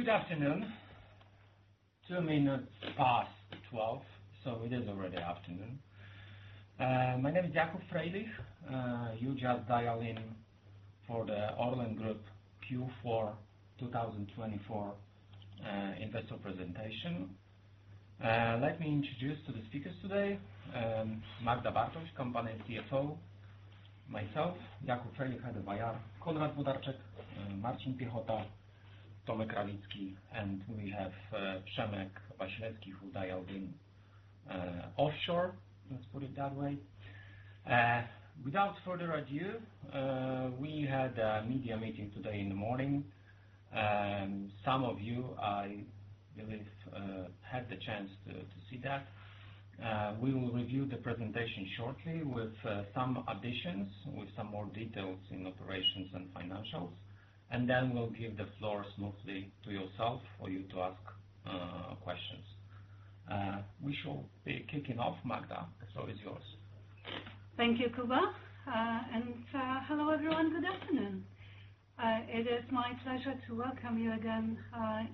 Good afternoon. Two minutes past 12:00, so it is already afternoon. My name is Jakub Frejlich. You just dialed in for the Orlen Group Q4 2024 investor presentation. Let me introduce the speakers today: Magda Bartoś, Company CFO; myself, Jakub Frejlich, I have my Armen Artwich, Konrad Włodarczyk, Marcin Piechota, Tomek Radlicki, and we have Przemek Wasilewski, who dialed in offshore, let's put it that way. Without further ado, we had a media meeting today in the morning. Some of you, I believe, had the chance to see that. We will review the presentation shortly with some additions, with some more details in operations and financials, and then we'll give the floor smoothly to yourself for you to ask questions. We shall be kicking off, Magda, the floor is yours. Thank you, Kuba, and hello, everyone. Good afternoon. It is my pleasure to welcome you again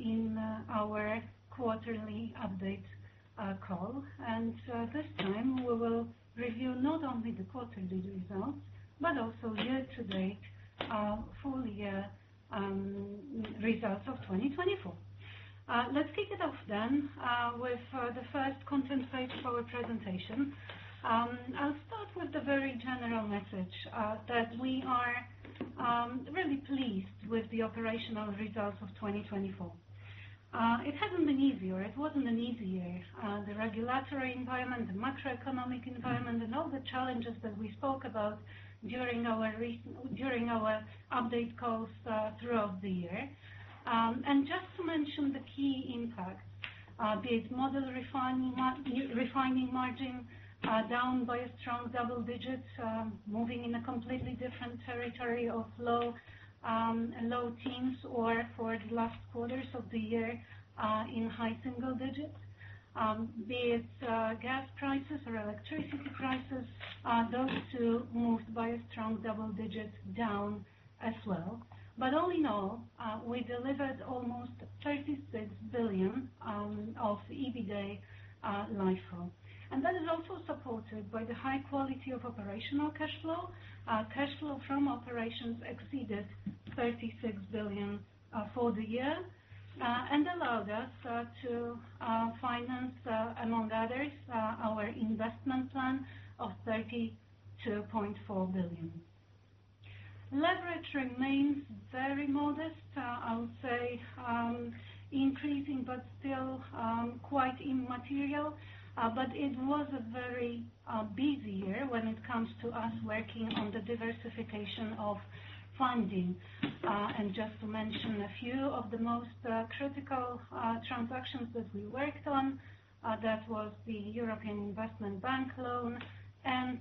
in our quarterly update call, and this time, we will review not only the quarterly results, but also year-to-date full-year results of 2024. Let's kick it off then with the first content page for our presentation. I'll start with the very general message that we are really pleased with the operational results of 2024. It hasn't been easier. It wasn't an easy year. The regulatory environment, the macroeconomic environment, and all the challenges that we spoke about during our update calls throughout the year. Just to mention the key impacts, be it model refining margin down by a strong double digit, moving in a completely different territory of low teens, or for the last quarters of the year in high single digits, be it gas prices or electricity prices, those two moved by a strong double digit down as well. But all in all, we delivered almost 36 billion of EBITDA LIFO. And that is also supported by the high quality of operational cash flow. Cash flow from operations exceeded 36 billion for the year and allowed us to finance, among others, our investment plan of 32.4 billion. Leverage remains very modest, I would say, increasing, but still quite immaterial. But it was a very busy year when it comes to us working on the diversification of funding. Just to mention a few of the most critical transactions that we worked on, that was the European Investment Bank loan and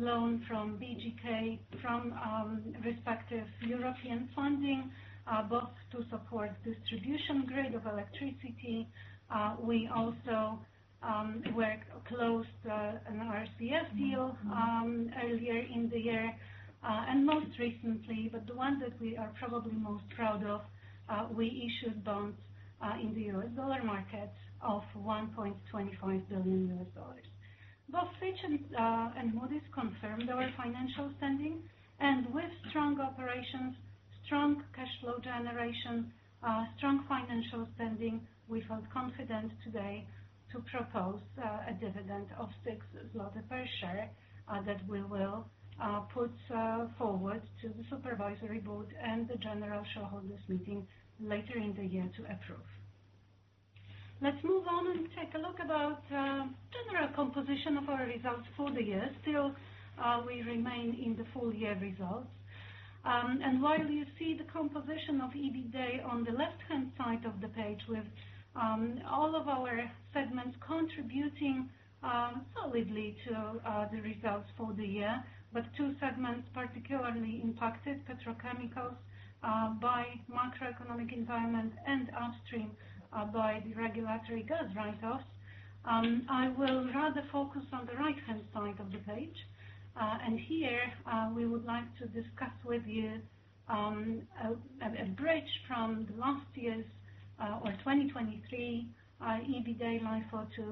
loan from BGK from respective European funding, both to support distribution grid of electricity. We also closed an RCF deal earlier in the year. And most recently, but the one that we are probably most proud of, we issued bonds in the U.S. dollar market of $1.25 billion. Both Fitch and Moody's confirmed our financial standing. And with strong operations, strong cash flow generation, strong financial standing, we felt confident today to propose a dividend of 6 zloty per share that we will put forward to the supervisory board and the general shareholders meeting later in the year to approve. Let's move on and take a look at the general composition of our results for the year. Still, we remain in the full-year results. While you see the composition of EBITDA on the left-hand side of the page with all of our segments contributing solidly to the results for the year, but two segments particularly impacted: petrochemicals by macroeconomic environment and upstream by the regulatory gas write-offs. I will rather focus on the right-hand side of the page. Here, we would like to discuss with you a bridge from last year's or 2023 EBITDA LIFO to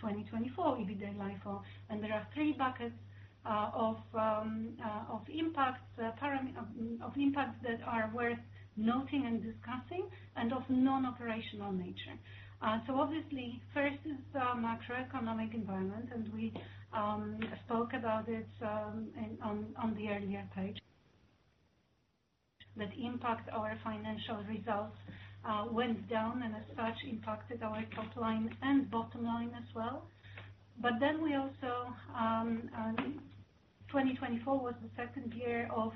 2024 EBITDA LIFO. There are three buckets of impacts that are worth noting and discussing and of non-operational nature. Obviously, first is the macroeconomic environment, and we spoke about it on the earlier page. That impacted our financial results went down and, as such, impacted our top line and bottom line as well. But then we also 2024 was the second year of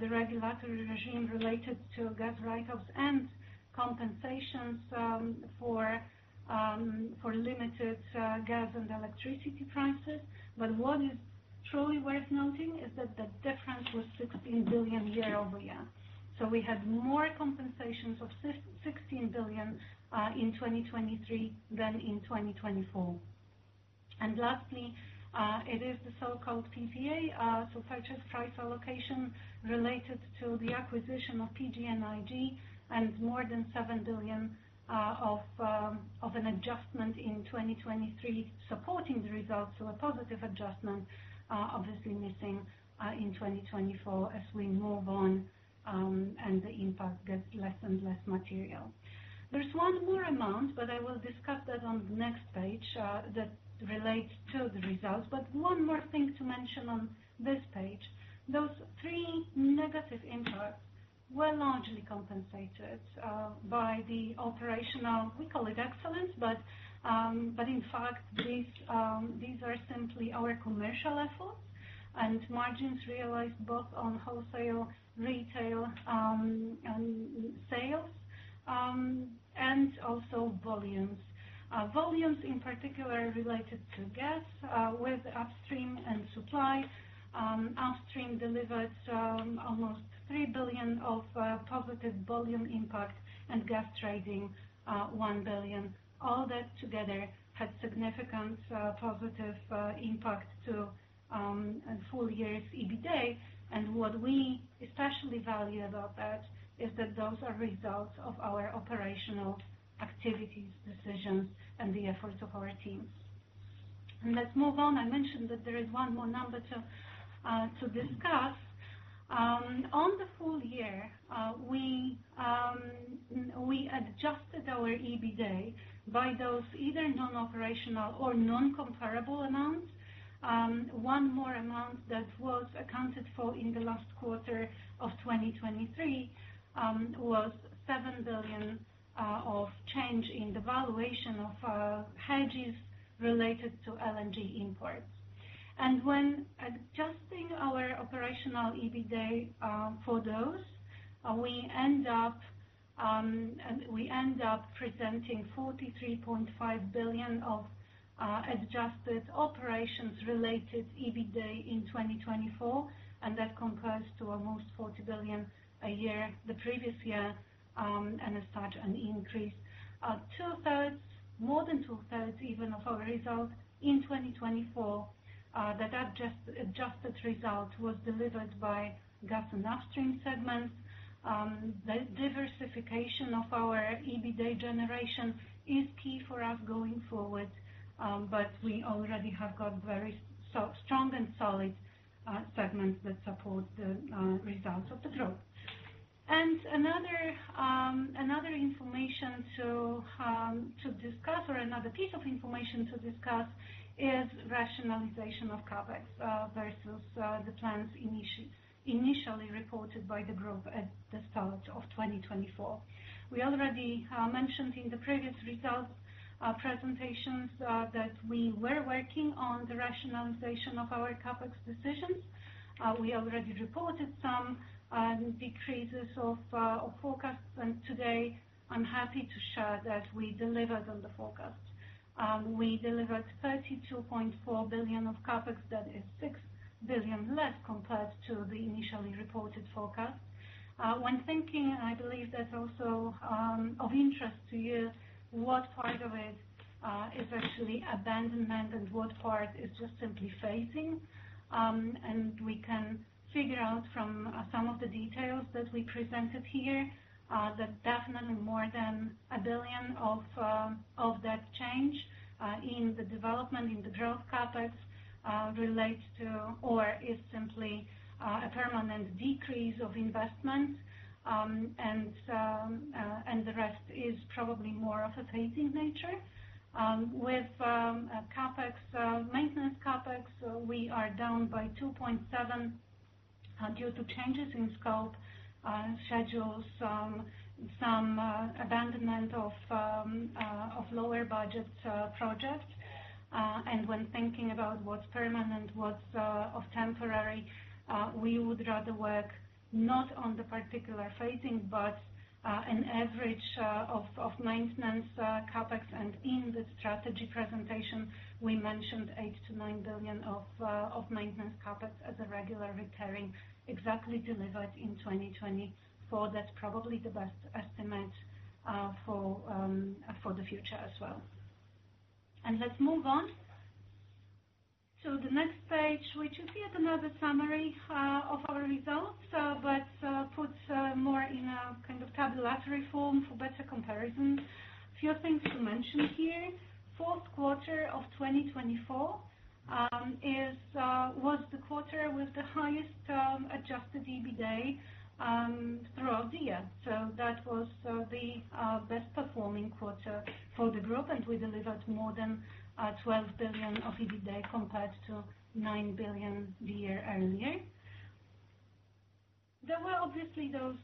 the regulatory regime related to gas write-offs and compensations for limited gas and electricity prices. But what is truly worth noting is that the difference was 16 billion year-over-year. So we had more compensations of 16 billion in 2023 than in 2024. And lastly, it is the so-called PPA, so purchase price allocation related to the acquisition of PGNiG and more than 7 billion of an adjustment in 2023 supporting the results, so a positive adjustment, obviously missing in 2024 as we move on and the impact gets less and less material. There's one more amount, but I will discuss that on the next page that relates to the results. But one more thing to mention on this page. Those three negative impacts were largely compensated by the operational, we call it excellence, but in fact, these are simply our commercial efforts and margins realized both on wholesale, retail, and sales, and also volumes. Volumes, in particular, related to gas with Upstream and Supply. Upstream delivered almost 3 billion of positive volume impact and gas trading 1 billion. All that together had significant positive impact to full-year EBITDA. And what we especially value about that is that those are results of our operational activities, decisions, and the efforts of our teams. And let's move on. I mentioned that there is one more number to discuss. On the full year, we adjusted our EBITDA by those either non-operational or non-comparable amounts. One more amount that was accounted for in the last quarter of 2023 was 7 billion of change in the valuation of hedges related to LNG imports. When adjusting our operational EBITDA for those, we end up presenting 43.5 billion of adjusted operations-related EBITDA in 2024. That compares to almost 40 billion a year the previous year, and as such, an increase. More than two-thirds, even, of our result in 2024, that adjusted result was delivered by gas and upstream segments. The diversification of our EBITDA generation is key for us going forward, but we already have got very strong and solid segments that support the results of the group. And another information to discuss, or another piece of information to discuss, is rationalization of CapEx versus the plans initially reported by the group at the start of 2024. We already mentioned in the previous results presentations that we were working on the rationalization of our CapEx decisions. We already reported some decreases of forecasts. Today, I'm happy to share that we delivered on the forecast. We delivered 32.4 billion of CapEx. That is 6 billion less compared to the initially reported forecast. When thinking, I believe that's also of interest to you, what part of it is actually abandonment and what part is just simply phasing. We can figure out from some of the details that we presented here that definitely more than 1 billion of that change in the development, in the growth CapEx, relates to or is simply a permanent decrease of investment. The rest is probably more of a phasing nature. With CapEx, maintenance CapEx, we are down by 2.7 billion due to changes in scope, schedules, some abandonment of lower budget projects. When thinking about what's permanent, what's temporary, we would rather work not on the particular phasing, but an average of maintenance CapEx. In the strategy presentation, we mentioned 8-9 billion of maintenance CapEx as a regular recurring, exactly delivered in 2024. That's probably the best estimate for the future as well. Let's move on to the next page, which you see as another summary of our results, but puts more in a kind of tabular form for better comparison. A few things to mention here. Fourth quarter of 2024 was the quarter with the highest adjusted EBITDA throughout the year. So that was the best-performing quarter for the group, and we delivered more than 12 billion of EBITDA compared to 9 billion the year earlier. There were obviously those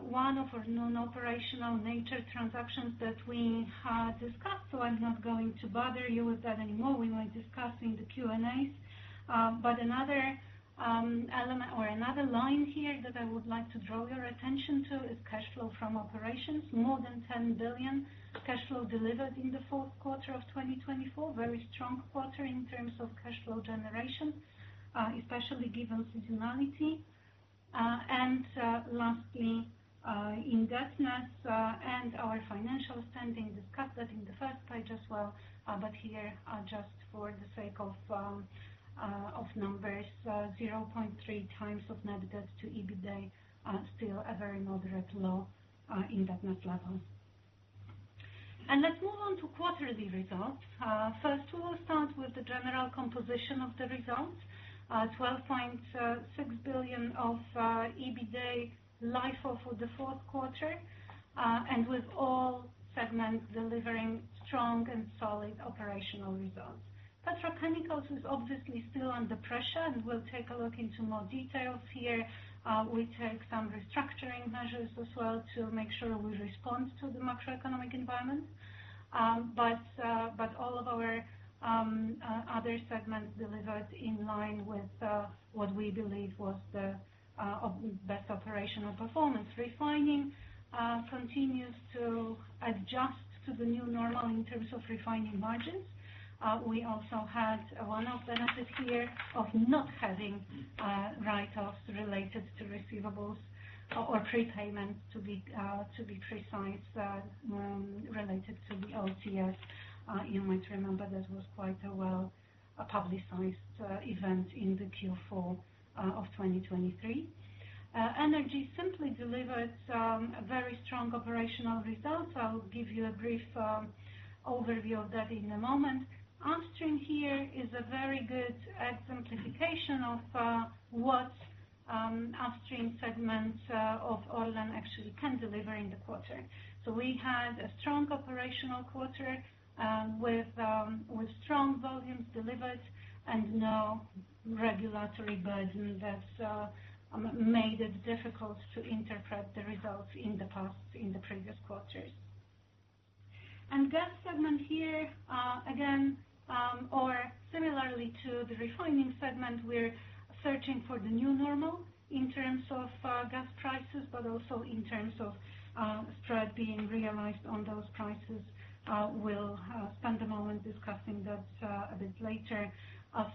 one of our non-operational nature transactions that we discussed, so I'm not going to bother you with that anymore. We were discussing the Q&As. But another element or another line here that I would like to draw your attention to is cash flow from operations, more than 10 billion cash flow delivered in the fourth quarter of 2024, very strong quarter in terms of cash flow generation, especially given seasonality. And lastly, indebtedness and our financial standing. We discussed that on the first page as well, but here, just for the sake of numbers, 0.3 times net debt to EBITDA, still a very moderately low indebtedness level. And let's move on to quarterly results. First, we will start with the general composition of the results. 12.6 billion of EBITDA LIFO for the fourth quarter, and with all segments delivering strong and solid operational results. Petrochemicals is obviously still under pressure, and we'll take a look into more details here. We take some restructuring measures as well to make sure we respond to the macroeconomic environment. But all of our other segments delivered in line with what we believe was the best operational performance. Refining continues to adjust to the new normal in terms of refining margins. We also had one of benefits here of not having write-offs related to receivables or prepayments, to be precise, related to the OTS. You might remember that was quite a well-publicized event in the Q4 of 2023. Energy simply delivered very strong operational results. I will give you a brief overview of that in a moment. Upstream here is a very good exemplification of what upstream segments of Orlen actually can deliver in the quarter. So we had a strong operational quarter with strong volumes delivered and no regulatory burden that made it difficult to interpret the results in the previous quarters. Gas segment here, again, or similarly to the refining segment, we're searching for the new normal in terms of gas prices, but also in terms of spread being realized on those prices. We'll spend a moment discussing that a bit later.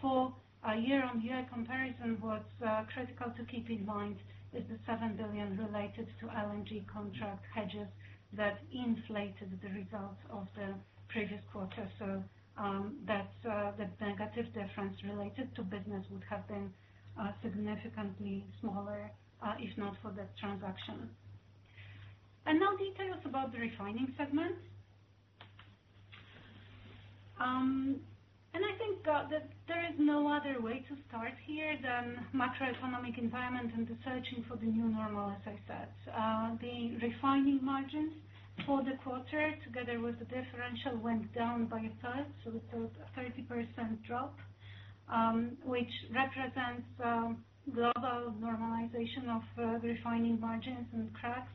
For a year-on-year comparison, what's critical to keep in mind is the 7 billion related to LNG contract hedges that inflated the results of the previous quarter. So that negative difference related to business would have been significantly smaller, if not for that transaction. Now details about the refining segment. I think that there is no other way to start here than macroeconomic environment and the searching for the new normal, as I said. The refining margins for the quarter, together with the differential, went down by a third, so it's a 30% drop, which represents global normalization of refining margins and cracks,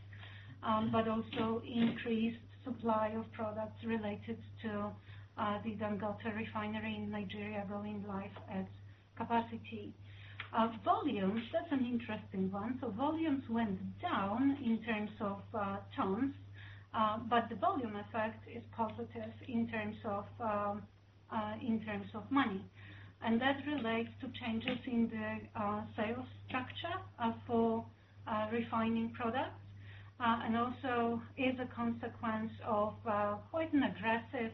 but also increased supply of products related to the Dangote Refinery in Nigeria going live at capacity. Volumes, that's an interesting one. So volumes went down in terms of tons, but the volume effect is positive in terms of money. And that relates to changes in the sales structure for refining products and also is a consequence of quite an aggressive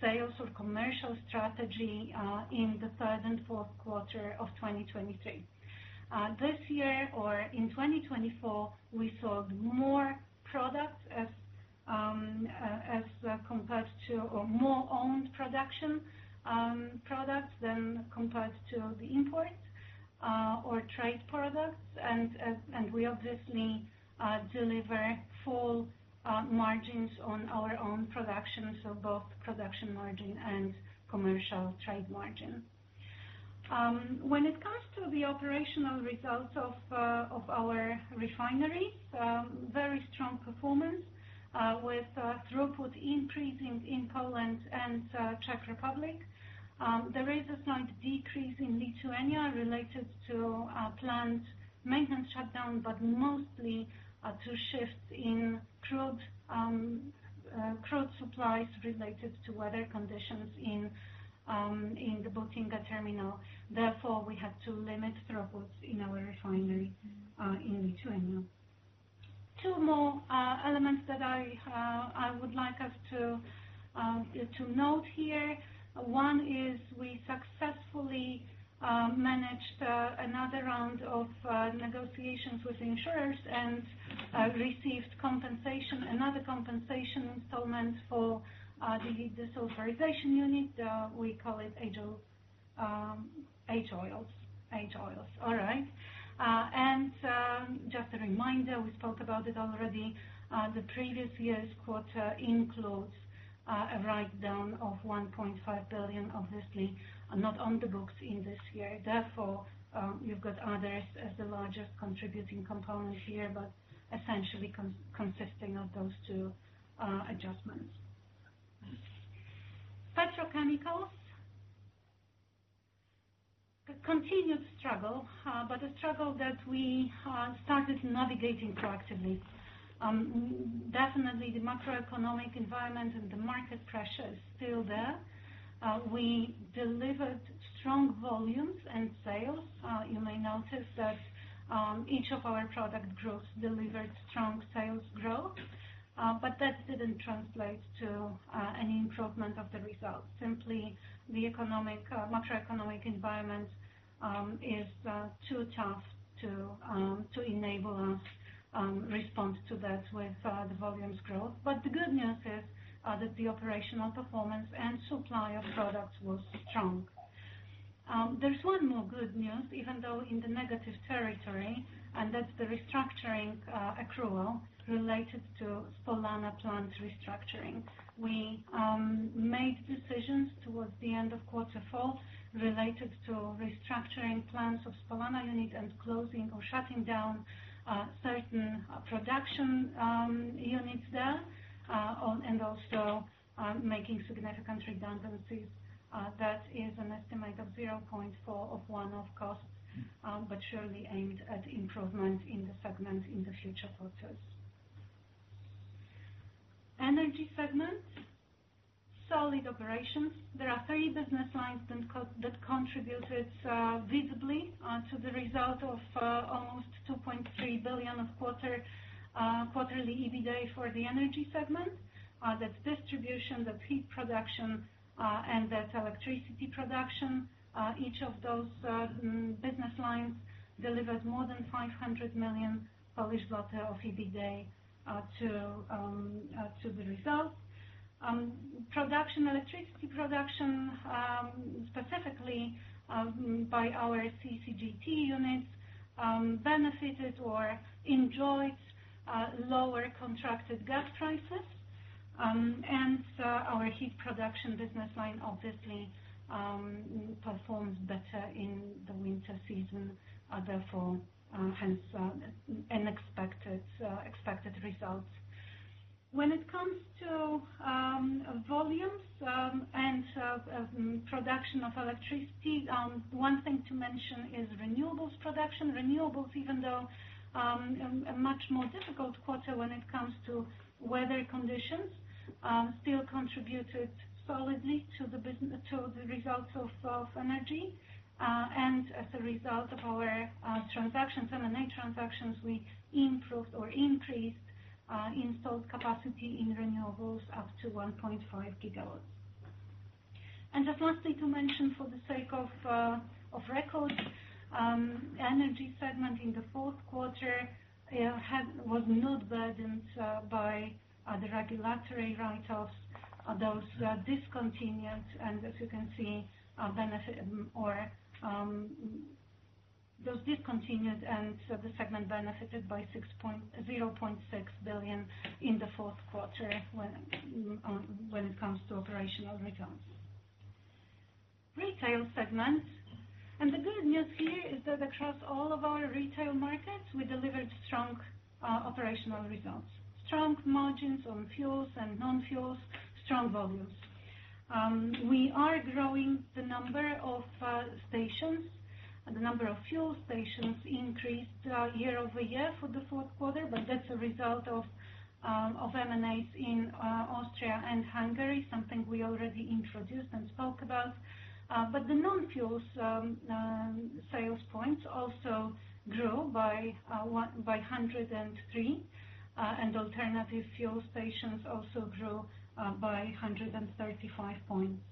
sales or commercial strategy in the third and fourth quarter of 2023. This year or in 2024, we sold more products as compared to or more owned production products than compared to the imports or trade products. And we obviously deliver full margins on our own production, so both production margin and commercial trade margin. When it comes to the operational results of our refineries, very strong performance with throughput increasing in Poland and Czech Republic. There is a slight decrease in Lithuania related to planned maintenance shutdown, but mostly to shifts in crude supplies related to weather conditions in the Būtingė terminal. Therefore, we had to limit throughputs in our refinery in Lithuania. Two more elements that I would like us to note here. One is we successfully managed another round of negotiations with insurers and received compensation, another compensation installment for the H-Oil unit. We call it H-Oil. All right. And just a reminder, we spoke about it already. The previous year's quarter includes a write-down of 1.5 billion, obviously not on the books in this year. Therefore, you've got others as the largest contributing component here, but essentially consisting of those two adjustments. Petrochemicals. Continued struggle, but a struggle that we started navigating proactively. Definitely, the macroeconomic environment and the market pressure is still there. We delivered strong volumes and sales. You may notice that each of our product groups delivered strong sales growth, but that didn't translate to any improvement of the results. Simply, the macroeconomic environment is too tough to enable us to respond to that with the volumes growth. But the good news is that the operational performance and supply of products was strong. There's one more good news, even though in the negative territory, and that's the restructuring accrual related to Spolana plant restructuring. We made decisions towards the end of quarter four related to restructuring plants of Spolana unit and closing or shutting down certain production units there and also making significant redundancies. That is an estimate of 0.4% of costs, but surely aimed at improvement in the segment in the future quarters. Energy segment. Solid operations. There are three business lines that contributed visibly to the result of almost 2.3 billion quarterly EBITDA for the Energy segment. That's distribution, that's heat production, and that's electricity production. Each of those business lines delivered more than 500 million of EBITDA to the result. Electricity production, specifically by our CCGT units, benefited or enjoyed lower contracted gas prices. Our heat production business line, obviously, performs better in the winter season. Therefore, hence unexpected results. When it comes to volumes and production of electricity, one thing to mention is renewables production. Renewables, even though a much more difficult quarter when it comes to weather conditions, still contributed solidly to the results of Energy. As a result of our M&A transactions, we improved or increased installed capacity in renewables up to 1.5 gigawatts. Just lastly, to mention for the sake of record, Energy segment in the fourth quarter was not burdened by the regulatory write-offs. Those discontinued, and as you can see, the segment benefited by 0.6 billion in the fourth quarter when it comes to operational results. Retail segment. The good news here is that across all of our retail markets, we delivered strong operational results. Strong margins on fuels and non-fuels, strong volumes. We are growing the number of stations, the number of fuel stations increased year-over-year for the fourth quarter, but that's a result of M&As in Austria and Hungary, something we already introduced and spoke about. But the nonfuel sales points also grew by 103, and alternative fuel stations also grew by 135 points.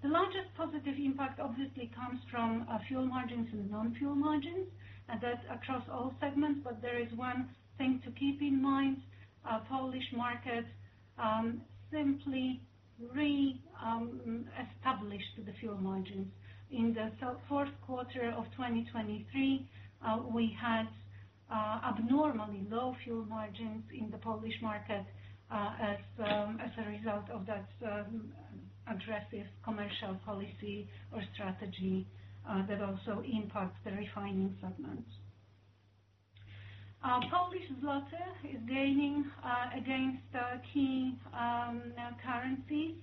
The largest positive impact, obviously, comes from fuel margins and nonfuel margins, and that's across all segments. But there is one thing to keep in mind. Polish market simply re-established the fuel margins. In the fourth quarter of 2023, we had abnormally low fuel margins in the Polish market as a result of that aggressive commercial policy or strategy that also impacts the refining segment. Polish zloty is gaining against key currencies.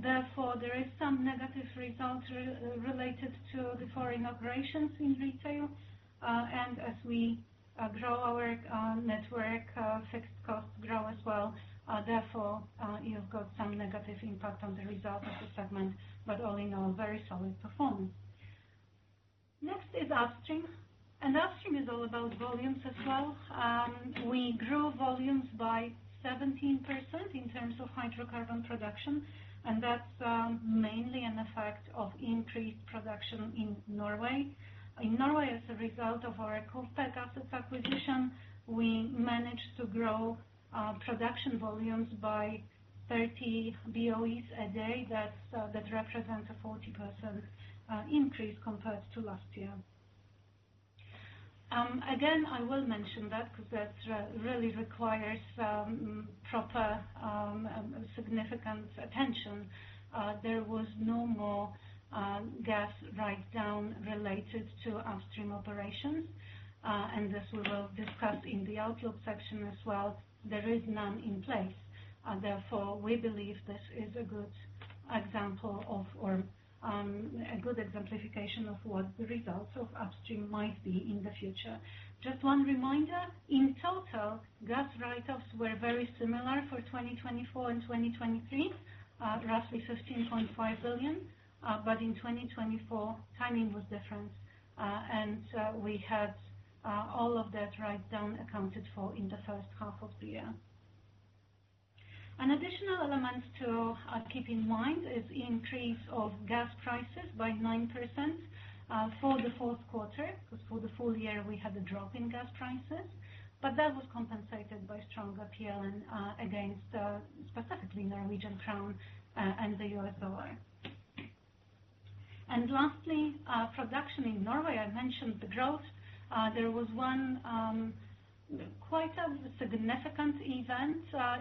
Therefore, there is some negative result related to the foreign operations in retail. And as we grow our network, fixed costs grow as well. Therefore, you've got some negative impact on the result of the segment, but all in all, very solid performance. Next is upstream. And upstream is all about volumes as well. We grew volumes by 17% in terms of hydrocarbon production, and that's mainly an effect of increased production in Norway. In Norway, as a result of our KUFPEC assets acquisition, we managed to grow production volumes by 30 BOE a day. That represents a 40% increase compared to last year. Again, I will mention that because that really requires proper significant attention. There was no more gas write-down related to upstream operations, and this we will discuss in the outlook section as well. There is none in place. Therefore, we believe this is a good example of or a good exemplification of what the results of upstream might be in the future. Just one reminder, in total, gas write-offs were very similar for 2024 and 2023, roughly 15.5 billion, but in 2024, timing was different. We had all of that write-down accounted for in the first half of the year. An additional element to keep in mind is increase of gas prices by 9% for the fourth quarter because for the full year, we had a drop in gas prices, but that was compensated by stronger PLN against specifically Norwegian crown and the U.S. dollar. Lastly, production in Norway, I mentioned the growth. There was one quite a significant event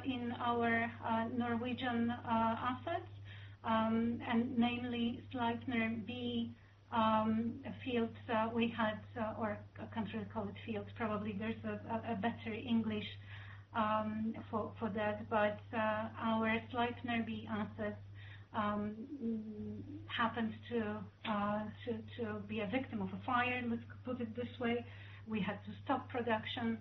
in our Norwegian assets, and namely Sleipner B fields we had, or a connected fields. Probably there's a better English for that, but our Sleipner B assets happened to be a victim of a fire, let's put it this way. We had to stop production,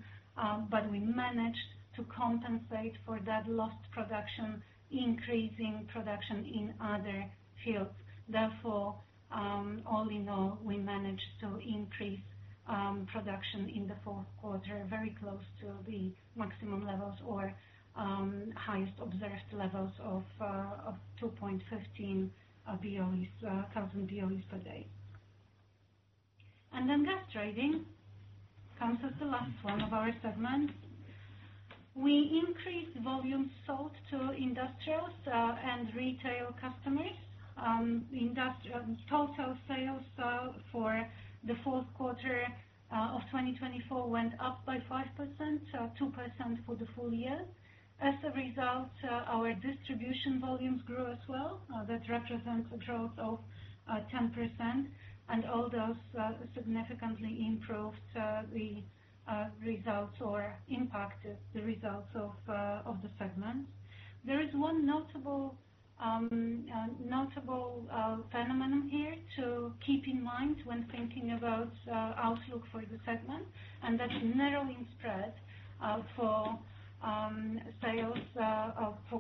but we managed to compensate for that lost production, increasing production in other fields. Therefore, all in all, we managed to increase production in the fourth quarter very close to the maximum levels or highest observed levels of 2.15 BOEs, 1,000 BOEs per day, and then gas trading comes as the last one of our segments. We increased volume sold to industrials and retail customers. Total sales for the fourth quarter of 2024 went up by 5%, 2% for the full year. As a result, our distribution volumes grew as well. That represents a growth of 10%, and all those significantly improved the results or impacted the results of the segment. There is one notable phenomenon here to keep in mind when thinking about outlook for the segment, and that's narrowing spread for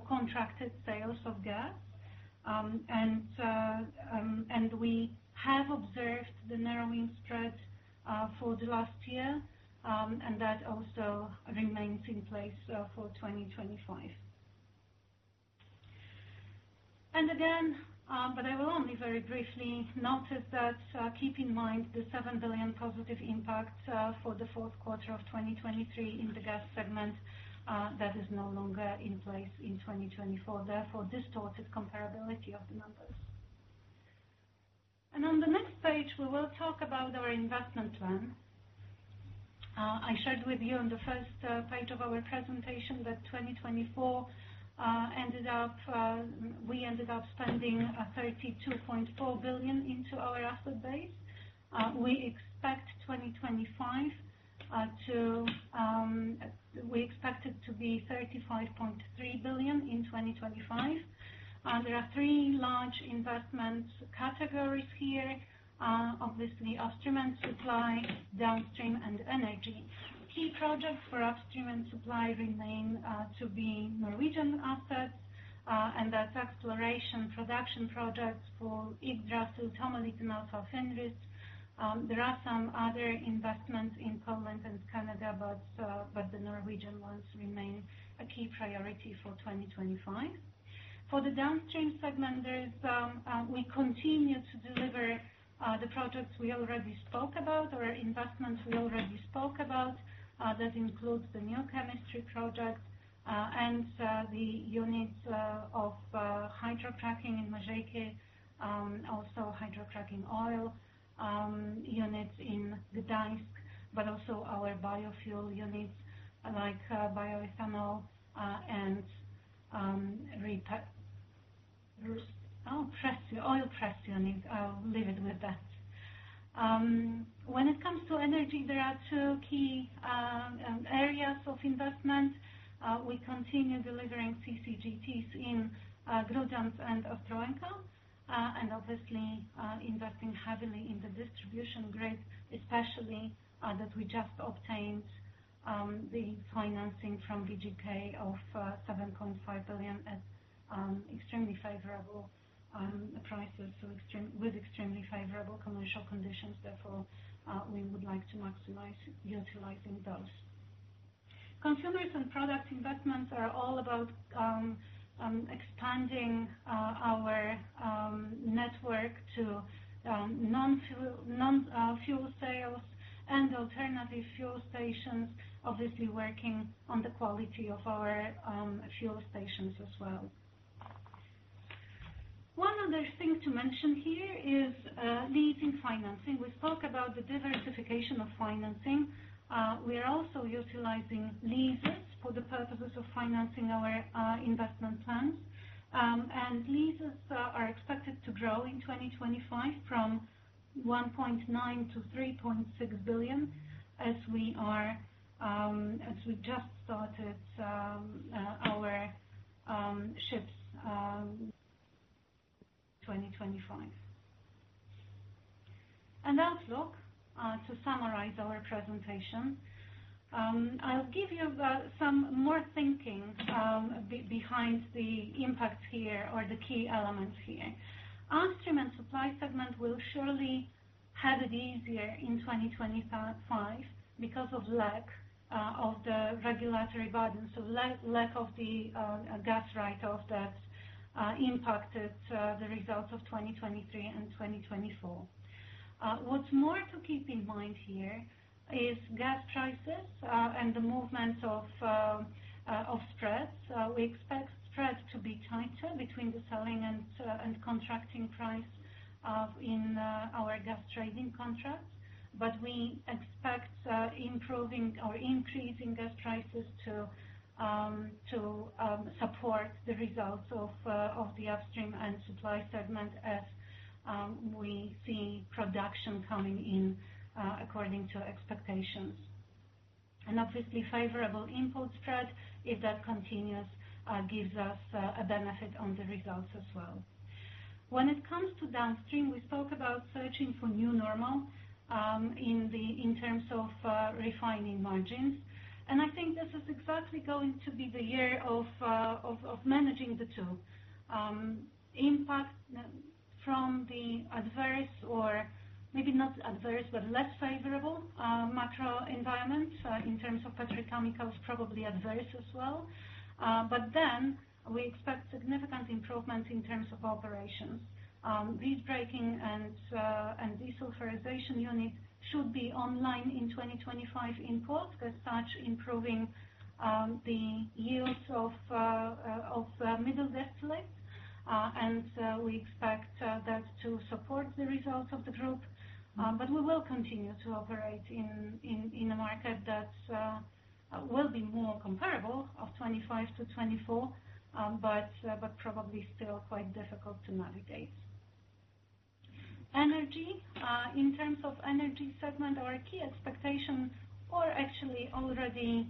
contracted sales of gas. And we have observed the narrowing spread for the last year, and that also remains in place for 2025. Again, but I will only very briefly note that keep in mind the 7 billion positive impact for the fourth quarter of 2023 in the gas segment that is no longer in place in 2024. Therefore, distorted comparability of the numbers. On the next page, we will talk about our investment plan. I shared with you on the first page of our presentation that 2024 ended up spending 32.4 billion into our asset base. We expect it to be 35.3 billion in 2025. There are three large investment categories here, obviously Upstream and Supply, Downstream, and Energy. Key projects for Upstream and Supply remain to be Norwegian assets, and that's exploration production projects for Yggdrasil, Tommeliten A, and Fenris. There are some other investments in Poland and Canada, but the Norwegian ones remain a key priority for 2025. For the Downstream segment, we continue to deliver the projects we already spoke about or investments we already spoke about. That includes the new chemistry project and the hydrocracking units in Mažeikiai, also hydrocracking oil units in Gdańsk, but also our biofuel units like bioethanol and oil press unit. I'll leave it with that. When it comes to Energy, there are two key areas of investment. We continue delivering CCGTs in Grudziądz and Ostrołęka, and obviously investing heavily in the distribution grid, especially that we just obtained the financing from BGK of 7.5 billion at extremely favorable prices with extremely favorable commercial conditions. Therefore, we would like to maximize utilizing those. Consumers and Product investments are all about expanding our network to non-fuel sales and alternative fuel stations, obviously working on the quality of our fuel stations as well. One other thing to mention here is leasing financing. We spoke about the diversification of financing. We are also utilizing leases for the purposes of financing our investment plans. And leases are expected to grow in 2025 from 1.9 billion to 3.6 billion as we just started our shift in 2025. And outlook, to summarize our presentation, I'll give you some more thinking behind the impact here or the key elements here. Upstream and Supply segment will surely have it easier in 2025 because of lack of the regulatory burden. So lack of the gas write-off that impacted the results of 2023 and 2024. What's more to keep in mind here is gas prices and the movement of spreads. We expect spreads to be tighter between the selling and contracting price in our gas trading contracts, but we expect improving or increasing gas prices to support the results of the Upstream and Supply segment as we see production coming in according to expectations. Obviously, favorable input spread, if that continues, gives us a benefit on the results as well. When it comes to Downstream, we spoke about searching for new normal in terms of refining margins. I think this is exactly going to be the year of managing the two. Impact from the adverse or maybe not adverse, but less favorable macro environment in terms of petrochemicals probably adverse as well. Then we expect significant improvements in terms of operations. Visbreaking and hydrodesulfurization unit should be online in 2025, improving as such the yields of middle distillate. We expect that to support the results of the group. We will continue to operate in a market that will be more comparable of 2025 to 2024, but probably still quite difficult to navigate. Energy, in terms of Energy segment, our key expectation, or actually already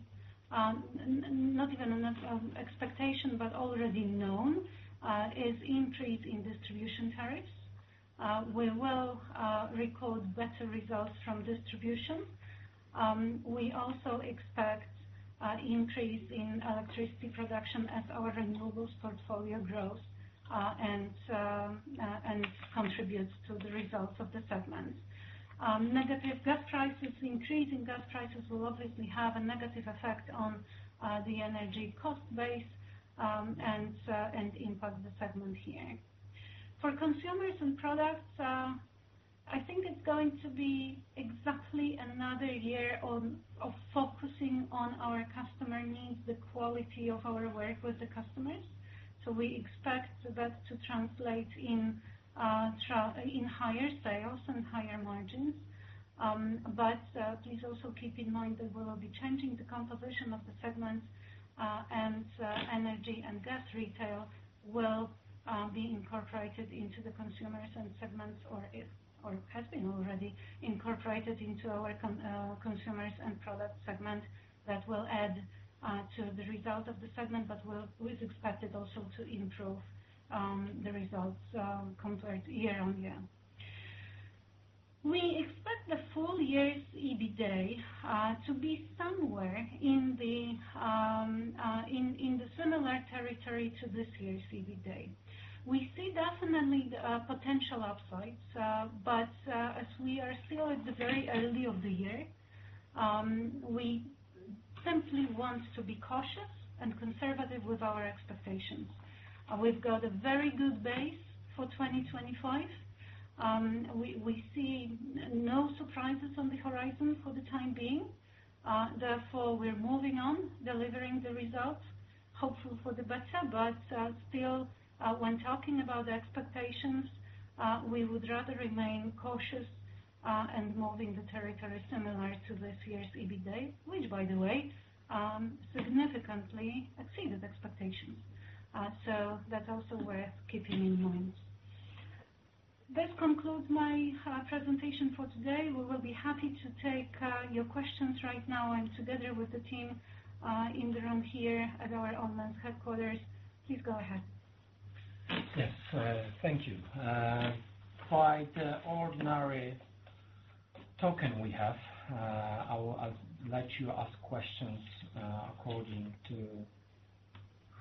not even an expectation, but already known, is increase in distribution tariffs. We will record better results from distribution. We also expect increase in electricity production as our renewables portfolio grows and contributes to the results of the segment. Negative gas prices, increasing gas prices will obviously have a negative effect on the Energy cost base and impact the segment here. For Consumers and Products, I think it's going to be exactly another year of focusing on our customer needs, the quality of our work with the customers. We expect that to translate in higher sales and higher margins. But please also keep in mind that we will be changing the composition of the segments, and Energy and gas retail will be incorporated into the consumers and segments or has been already incorporated into our Consumers and Product segment that will add to the result of the segment, but we expect it also to improve the results compared year on year. We expect the full year's EBITDA to be somewhere in the similar territory to this year's EBITDA. We see definitely potential upsides, but as we are still at the very early of the year, we simply want to be cautious and conservative with our expectations. We've got a very good base for 2025. We see no surprises on the horizon for the time being. Therefore, we're moving on, delivering the results, hopeful for the better, but still, when talking about expectations, we would rather remain cautious and moving the territory similar to this year's EBITDA, which, by the way, significantly exceeded expectations. So that's also worth keeping in mind. This concludes my presentation for today. We will be happy to take your questions right now and together with the team in the room here at our online headquarters. Please go ahead. Yes, thank you. Quite ordinary token we have. I'll let you ask questions according to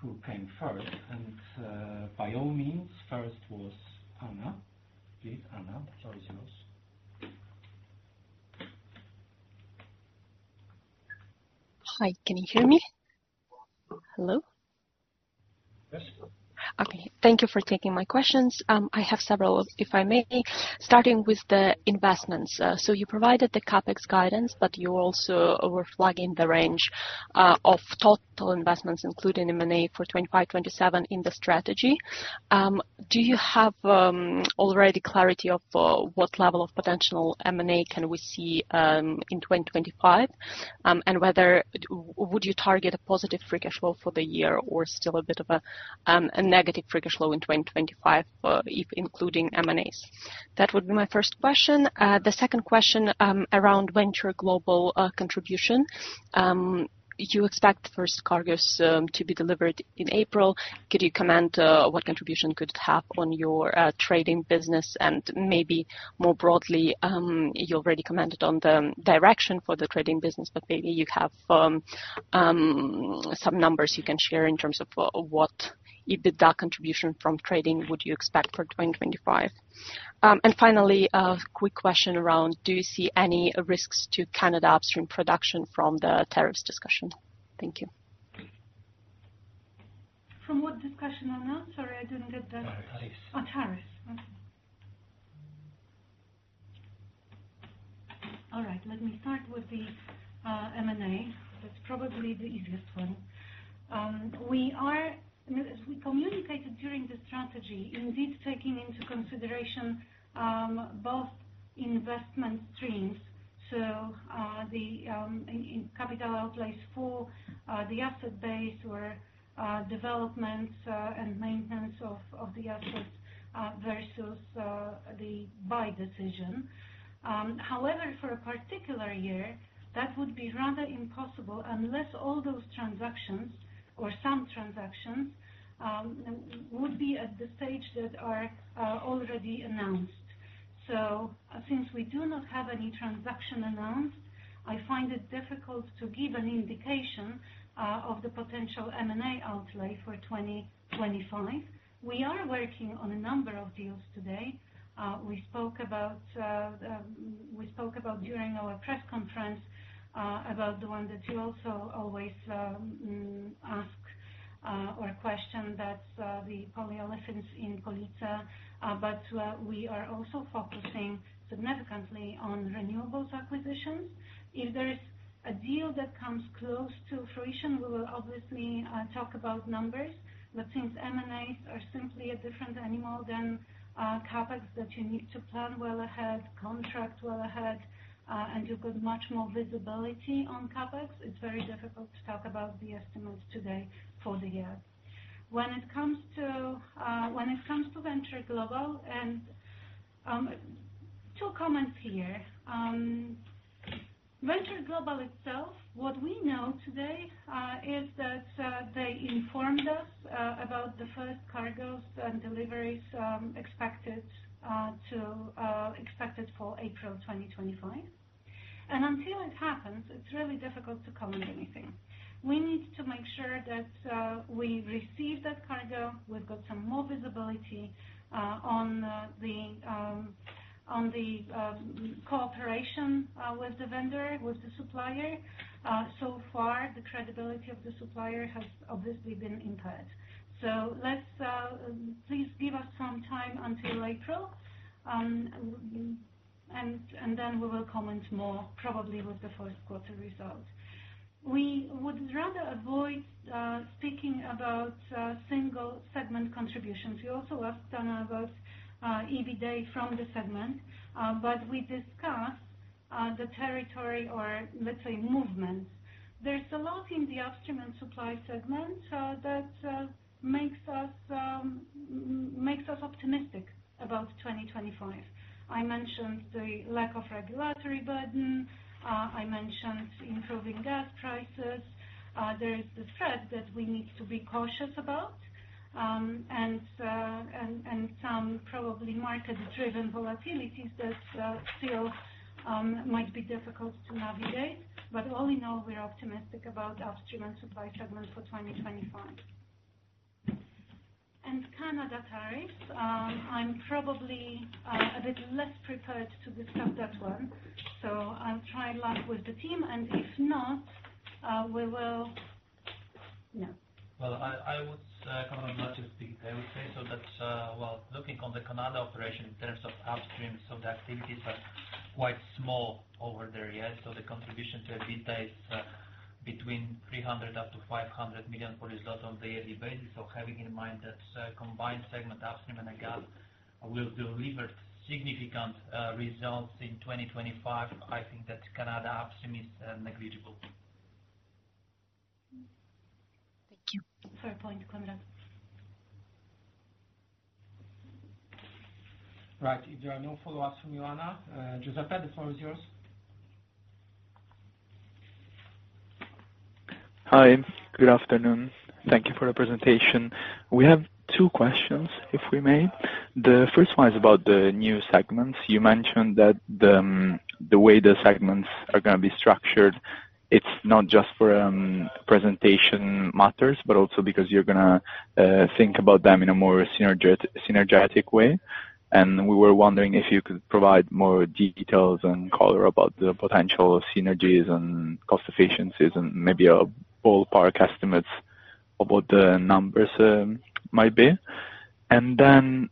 who came first. And by all means, first was Anna. Please, Anna, the floor is yours. Hi, can you hear me? Hello? Yes. Okay. Thank you for taking my questions. I have several, if I may, starting with the investments. You provided the CapEx guidance, but you also were flagging the range of total investments, including M&A for 2025-2027 in the strategy. Do you have already clarity of what level of potential M&A can we see in 2025? And would you target a positive free cash flow for the year or still a bit of a negative free cash flow in 2025, including M&As? That would be my first question. The second question around Venture Global contribution. You expect first cargoes to be delivered in April. Could you comment what contribution could it have on your trading business? And maybe more broadly, you already commented on the direction for the trading business, but maybe you have some numbers you can share in terms of what EBITDA contribution from trading would you expect for 2025? And finally, a quick question around, do you see any risks to Canada upstream production from the tariffs discussion? Thank you. From what discussion on that? Sorry, I didn't get that. Tariffs. Oh, tariffs. Okay. All right. Let me start with the M&A. That's probably the easiest one. We communicated during the strategy, indeed taking into consideration both investment streams. So the capital outlays for the asset base were development and maintenance of the assets versus the buy decision. However, for a particular year, that would be rather impossible unless all those transactions or some transactions would be at the stage that are already announced. So since we do not have any transaction announced, I find it difficult to give an indication of the potential M&A outlay for 2025. We are working on a number of deals today. We spoke about, during our press conference, about the one that you also always ask or question. That's the polyolefins in Police. We are also focusing significantly on renewables acquisitions. If there is a deal that comes close to fruition, we will obviously talk about numbers. But since M&As are simply a different animal than CapEx that you need to plan well ahead, contract well ahead, and you've got much more visibility on CapEx, it's very difficult to talk about the estimates today for the year. When it comes to Venture Global, and two comments here. Venture Global itself, what we know today is that they informed us about the first cargoes and deliveries expected for April 2025. And until it happens, it's really difficult to comment on anything. We need to make sure that we receive that cargo. We've got some more visibility on the cooperation with the vendor, with the supplier. So far, the credibility of the supplier has obviously been impaired. So please give us some time until April, and then we will comment more, probably with the first quarter results. We would rather avoid speaking about single segment contributions. You also asked, Anna, about EBITDA from the segment, but we discussed the territory or, let's say, movement. There's a lot in the Upstream and Supply segment that makes us optimistic about 2025. I mentioned the lack of regulatory burden. I mentioned improving gas prices. There is the threat that we need to be cautious about and some probably market-driven volatilities that still might be difficult to navigate. But all in all, we're optimistic about Upstream and Supply segment for 2025. And Canada tariffs, I'm probably a bit less prepared to discuss that one. I'll try my luck with the team. And if not, we will. No. I would rather not speak, I would say. That's while looking at the Canada operation in terms of upstream. The activities are quite small over there, yes. The contribution to EBITDA is between 300 million up to 500 million Zloty on the yearly basis. Having in mind that combined segment upstream and the gas will deliver significant results in 2025, I think that Canada upstream is negligible. Thank you for the question. Right. If there are no follow-ups from you, Anna. Giuseppe, the floor is yours. Hi. Good afternoon. Thank you for the presentation. We have two questions, if we may. The first one is about the new segments. You mentioned that the way the segments are going to be structured, it's not just for presentation matters, but also because you're going to think about them in a more synergetic way. And we were wondering if you could provide more details and color about the potential synergies and cost efficiencies and maybe a ballpark estimates of what the numbers might be. And then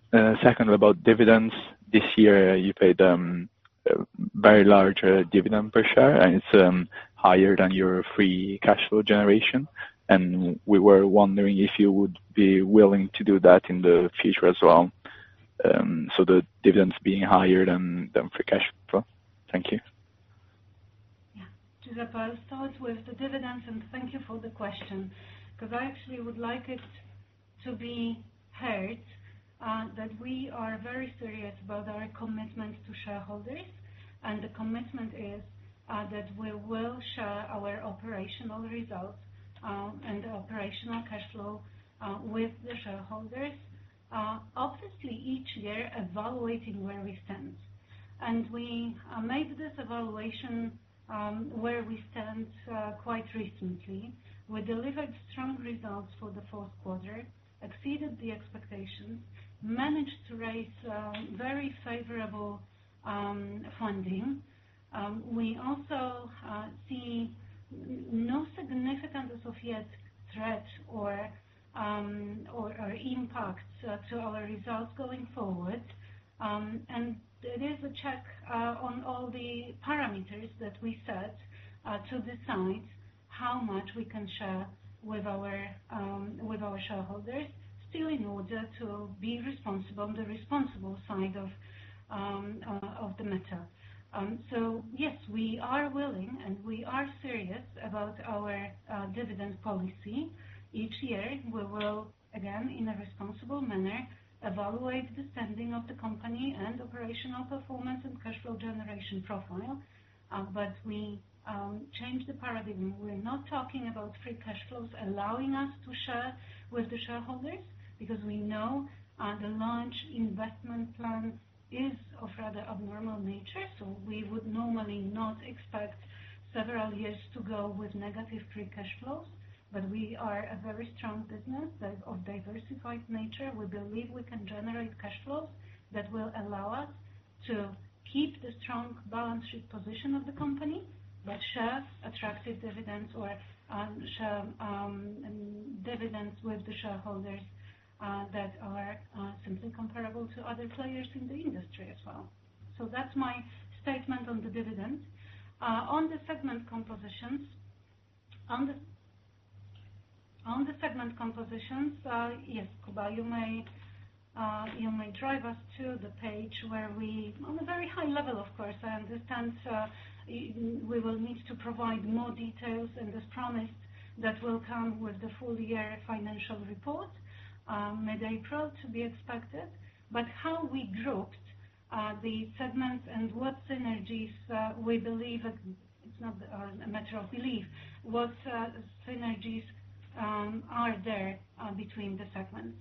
second, about dividends. This year, you paid a very large dividend per share, and it's higher than your free cash flow generation. And we were wondering if you would be willing to do that in the future as well. So the dividends being higher than free cash flow. Thank you. Yeah. Giuseppe, I'll start with the dividends, and thank you for the question because I actually would like it to be heard that we are very serious about our commitment to shareholders. The commitment is that we will share our operational results and the operational cash flow with the shareholders, obviously each year evaluating where we stand. We made this evaluation where we stand quite recently. We delivered strong results for the fourth quarter, exceeded the expectations, managed to raise very favorable funding. We also see no significant associated threats or impacts to our results going forward. It is a check on all the parameters that we set to decide how much we can share with our shareholders still in order to be responsible on the responsible side of the matter. Yes, we are willing, and we are serious about our dividend policy. Each year, we will, again, in a responsible manner, evaluate the spending of the company and operational performance and cash flow generation profile, but we change the paradigm. We're not talking about free cash flows allowing us to share with the shareholders because we know the large investment plan is of rather abnormal nature, so we would normally not expect several years to go with negative free cash flows, but we are a very strong business of diversified nature. We believe we can generate cash flows that will allow us to keep the strong balance sheet position of the company that shares attractive dividends or share dividends with the shareholders that are simply comparable to other players in the industry as well, so that's my statement on the dividends. On the segment compositions, yes, Kuba, you may drive us to the page where we, on a very high level, of course, I understand we will need to provide more details, and this promise that will come with the full year financial report mid-April to be expected. But how we grouped the segments and what synergies we believe—it's not a matter of belief—what synergies are there between the segments.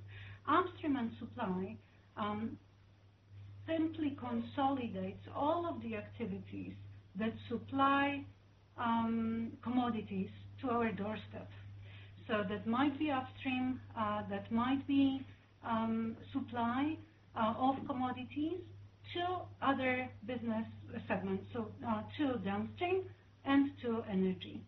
Upstream and Supply simply consolidates all of the activities that supply commodities to our doorstep. So that might be upstream, that might be supply of commodities to other business segments, so to Downstream and to Energy.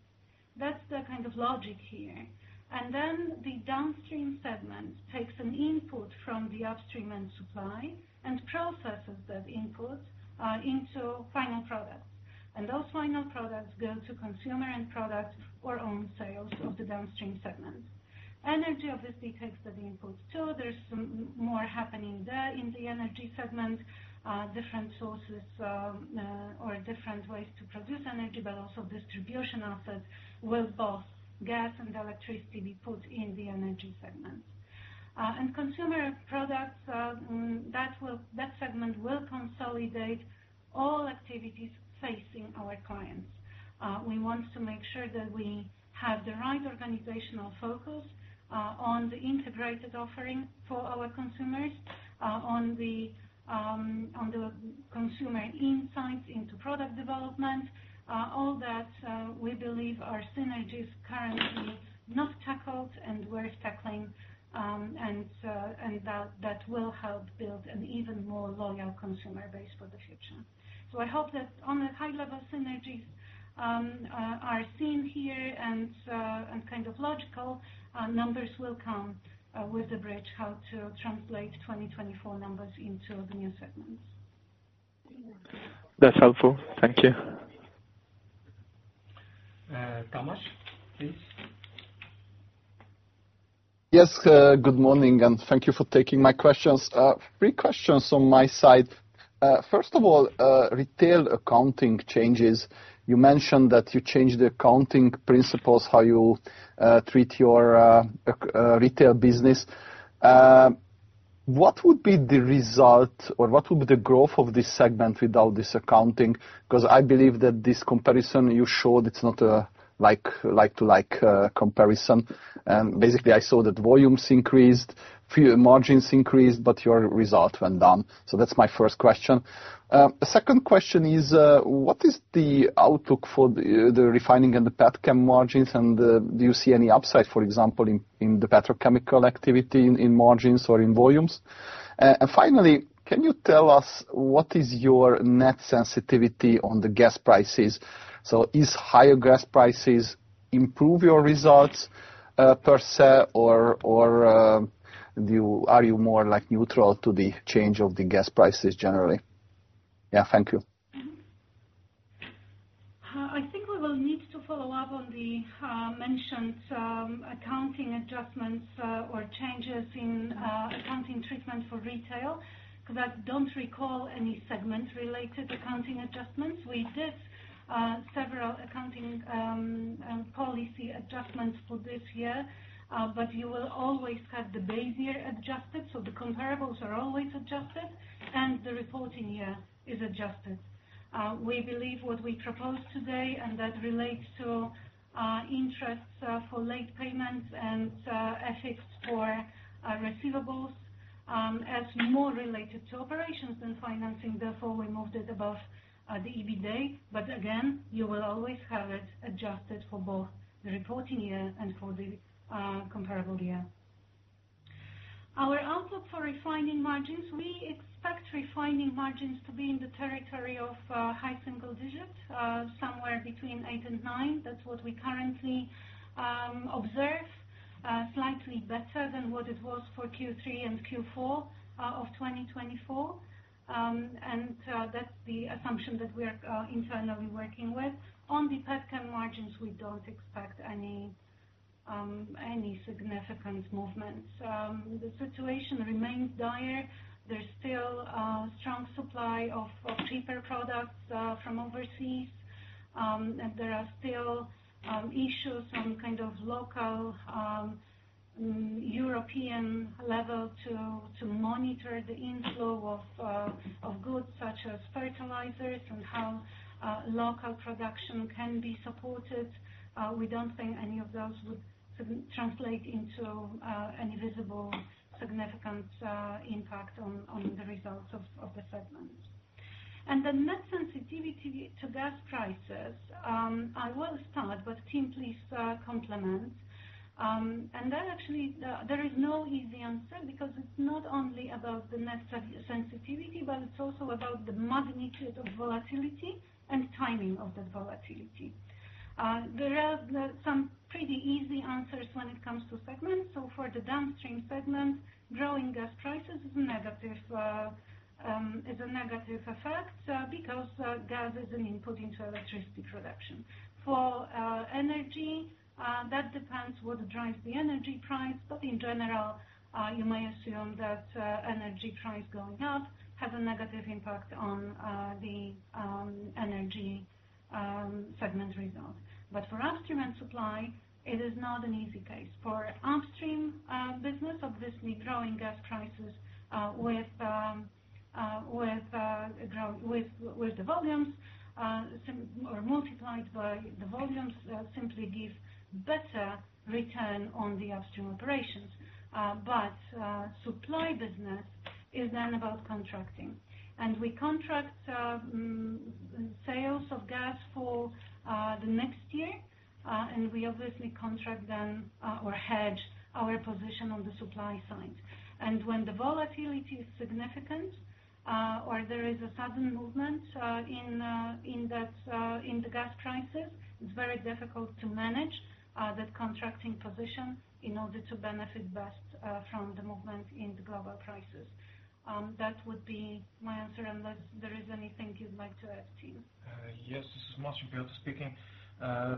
That's the kind of logic here, and then the Downstream segment takes an input from the Upstream and Supply and processes that input into final products. And those final products go to consumer and product or own sales of the Downstream segment. Energy obviously takes that input too. There's some more happening there in the Energy segment, different sources or different ways to produce Energy, but also distribution assets will both gas and electricity be put in the Energy segment. And consumer products, that segment will consolidate all activities facing our clients. We want to make sure that we have the right organizational focus on the integrated offering for our consumers, on the consumer insights into product development. All that we believe are synergies currently not tackled and worth tackling, and that will help build an even more loyal consumer base for the future. So I hope that on the high-level synergies are seen here and kind of logical, numbers will come with the bridge how to translate 2024 numbers into the new segments. That's helpful. Thank you. Thomas, please. Yes. Good morning, and thank you for taking my questions. Three questions on my side. First of all, retail accounting changes. You mentioned that you changed the accounting principles, how you treat your retail business. What would be the result or what would be the growth of this segment without this accounting? Because I believe that this comparison you showed, it's not a like-for-like comparison. And basically, I saw that volumes increased, margins increased, but your result went down. So that's my first question. The second question is, what is the outlook for the refining and the petchem margins? And do you see any upside, for example, in the petrochemical activity in margins or in volumes? And finally, can you tell us what is your net sensitivity on the gas prices? So is higher gas prices improve your results per se, or are you more neutral to the change of the gas prices generally? Yeah. Thank you. I think we will need to follow up on the mentioned accounting adjustments or changes in accounting treatment for retail because I don't recall any segment-related accounting adjustments. We did several accounting policy adjustments for this year, but you will always have the base year adjusted, so the comparables are always adjusted, and the reporting year is adjusted. We believe what we proposed today, and that relates to interest for late payments and interest for receivables, as more related to operations than financing. Therefore, we moved it above the EBITDA. But again, you will always have it adjusted for both the reporting year and for the comparable year. Our outlook for refining margins, we expect refining margins to be in the territory of high single digit, somewhere between eight and nine. That's what we currently observe, slightly better than what it was for Q3 and Q4 of 2024. And that's the assumption that we are internally working with. On the PATCA margins, we don't expect any significant movements. The situation remains dire. There's still a strong supply of cheaper products from overseas. And there are still issues on kind of local European level to monitor the inflow of goods such as fertilizers and how local production can be supported. We don't think any of those would translate into any visible significant impact on the results of the segments. And the net sensitivity to gas prices, I will start, but Tim, please complement. Actually, there is no easy answer because it's not only about the net sensitivity, but it's also about the magnitude of volatility and timing of that volatility. There are some pretty easy answers when it comes to segments. For the Downstream segment, growing gas prices is a negative effect because gas is an input into electricity production. For Energy, that depends what drives the Energy price. In general, you may assume that Energy price going up has a negative impact on the Energy segment result. For Upstream and Supply, it is not an easy case. For upstream business, obviously, growing gas prices with the volumes or multiplied by the volumes simply give better return on the upstream operations. Supply business is then about contracting. We contract sales of gas for the next year, and we obviously contract then or hedge our position on the supply side. And when the volatility is significant or there is a sudden movement in the gas prices, it's very difficult to manage that contracting position in order to benefit best from the movement in the global prices. That would be my answer unless there is anything you'd like to add, Tim. Yes. This is Konrad Włodarczyk speaking.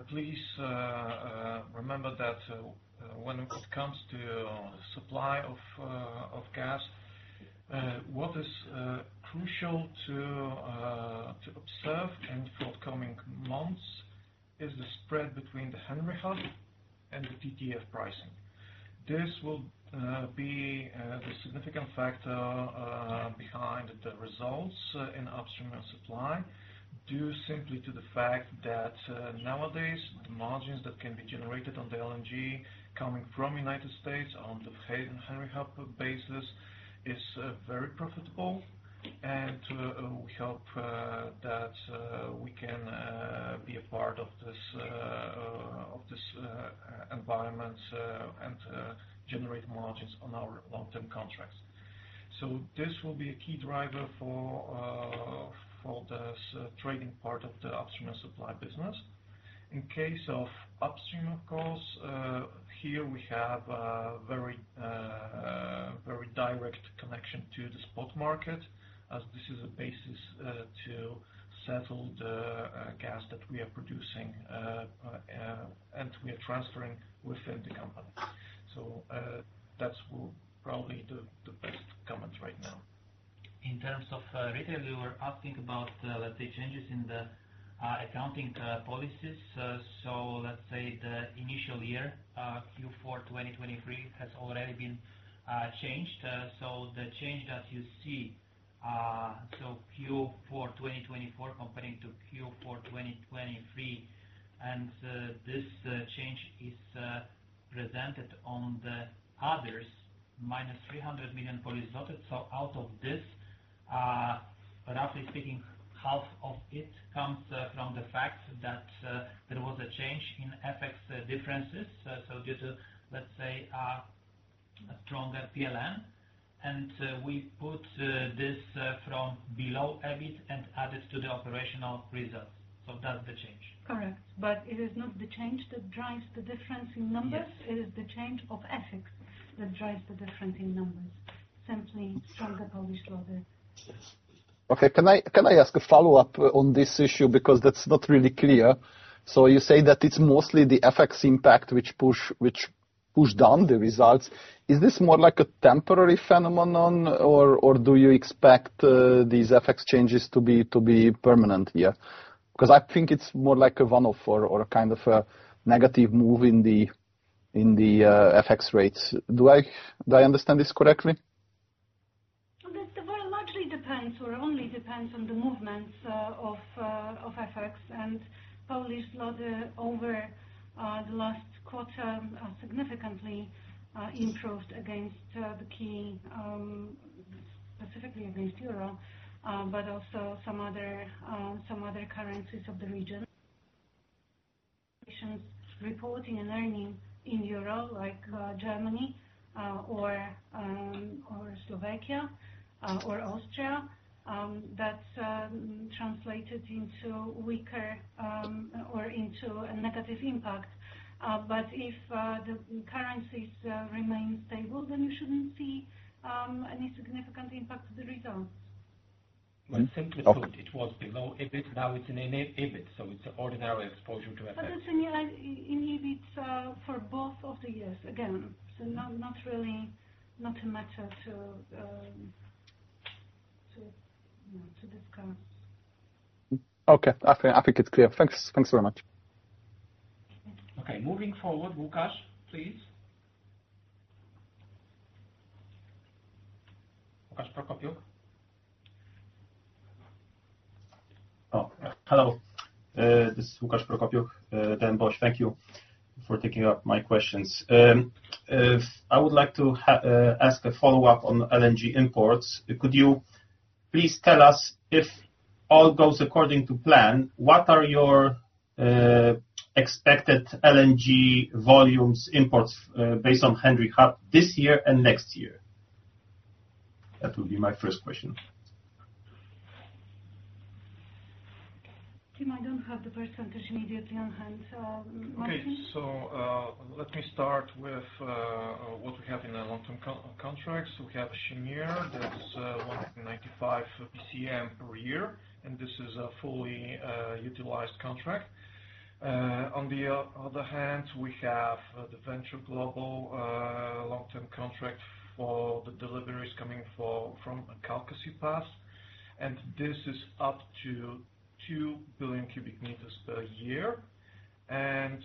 Please remember that when it comes to supply of gas, what is crucial to observe in forthcoming months is the spread between the Henry Hub and the TTF pricing. This will be the significant factor behind the results in Upstream and Supply due simply to the fact that nowadays, the margins that can be generated on the LNG coming from the United States on the Henry Hub basis is very profitable. And we hope that we can be a part of this environment and generate margins on our long-term contracts. So this will be a key driver for the trading part of the Upstream and Supply business. In case of upstream, of course, here we have a very direct connection to the spot market as this is a basis to settle the gas that we are producing and we are transferring within the company. So that's probably the best comment right now. In terms of retail, you were asking about, let's say, changes in the accounting policies. So let's say the initial year, Q4 2023, has already been changed. So the change that you see, so Q4 2024 comparing to Q4 2023, and this change is presented on the others, minus 300 million. So out of this, roughly speaking, half of it comes from the fact that there was a change in FX differences. So due to, let's say, a stronger PLN. And we put this from below EBIT and added to the operational results. So that's the change. Correct. But it is not the change that drives the difference in numbers. It is the change in FX that drives the difference in numbers, simply stronger PLN. Okay. Can I ask a follow-up on this issue because that's not really clear? So you say that it's mostly the FX impact which pushed down the results. Is this more like a temporary phenomenon, or do you expect these FX changes to be permanent here? Because I think it's more like a one-off or a kind of a negative move in the FX rates. Do I understand this correctly? That largely depends or only depends on the movements of FX, and zloty over the last quarter significantly improved against the key, specifically against euro, but also some other currencies of the region. Reporting and earning in euro, like Germany or Slovakia or Austria, that's translated into weaker or into a negative impact. But if the currencies remain stable, then you shouldn't see any significant impact to the results. When simply put, it was below EBIT, now it's in EBIT. So it's an ordinary exposure to FX. But it's in EBIT for both of the years, again. So not really a matter to discuss. Okay. I think it's clear. Thanks very much. Okay. Moving forward, Łukasz, please. Łukasz Prokopiuk. Hello. This is Łukasz Prokopiuk, DM BOŚ. Thank you for taking up my questions. I would like to ask a follow-up on LNG imports. Could you please tell us, if all goes according to plan, what are your expected LNG volumes imports based on Henry Hub this year and next year? That would be my first question. Tim, I don't have the percentage immediately on hand. Okay. So let me start with what we have in our long-term contracts. We have Cheniere that's 195 BCM per year, and this is a fully utilized contract. On the other hand, we have the Venture Global long-term contract for the deliveries coming from Calcasieu Pass. And this is up to 2 billion cubic meters per year. And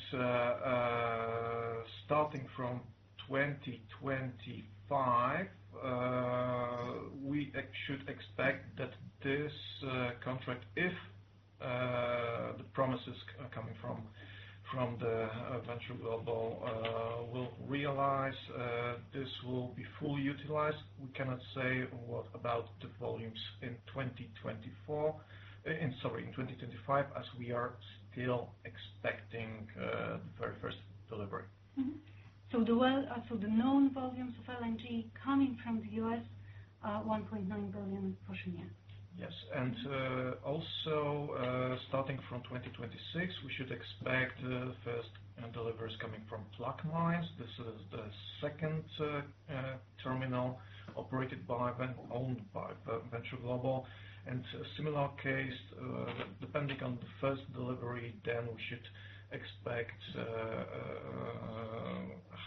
starting from 2025, we should expect that this contract, if the promises coming from the Venture Global will realize, this will be fully utilized. We cannot say what about the volumes in 2024, sorry, in 2025, as we are still expecting the very first delivery. So the known volumes of LNG coming from the U.S., 1.9 billion for Cheniere. Yes. And also, starting from 2026, we should expect the first deliveries coming from Plaquemines. This is the second terminal operated by and owned by Venture Global. And similar case, depending on the first delivery, then we should expect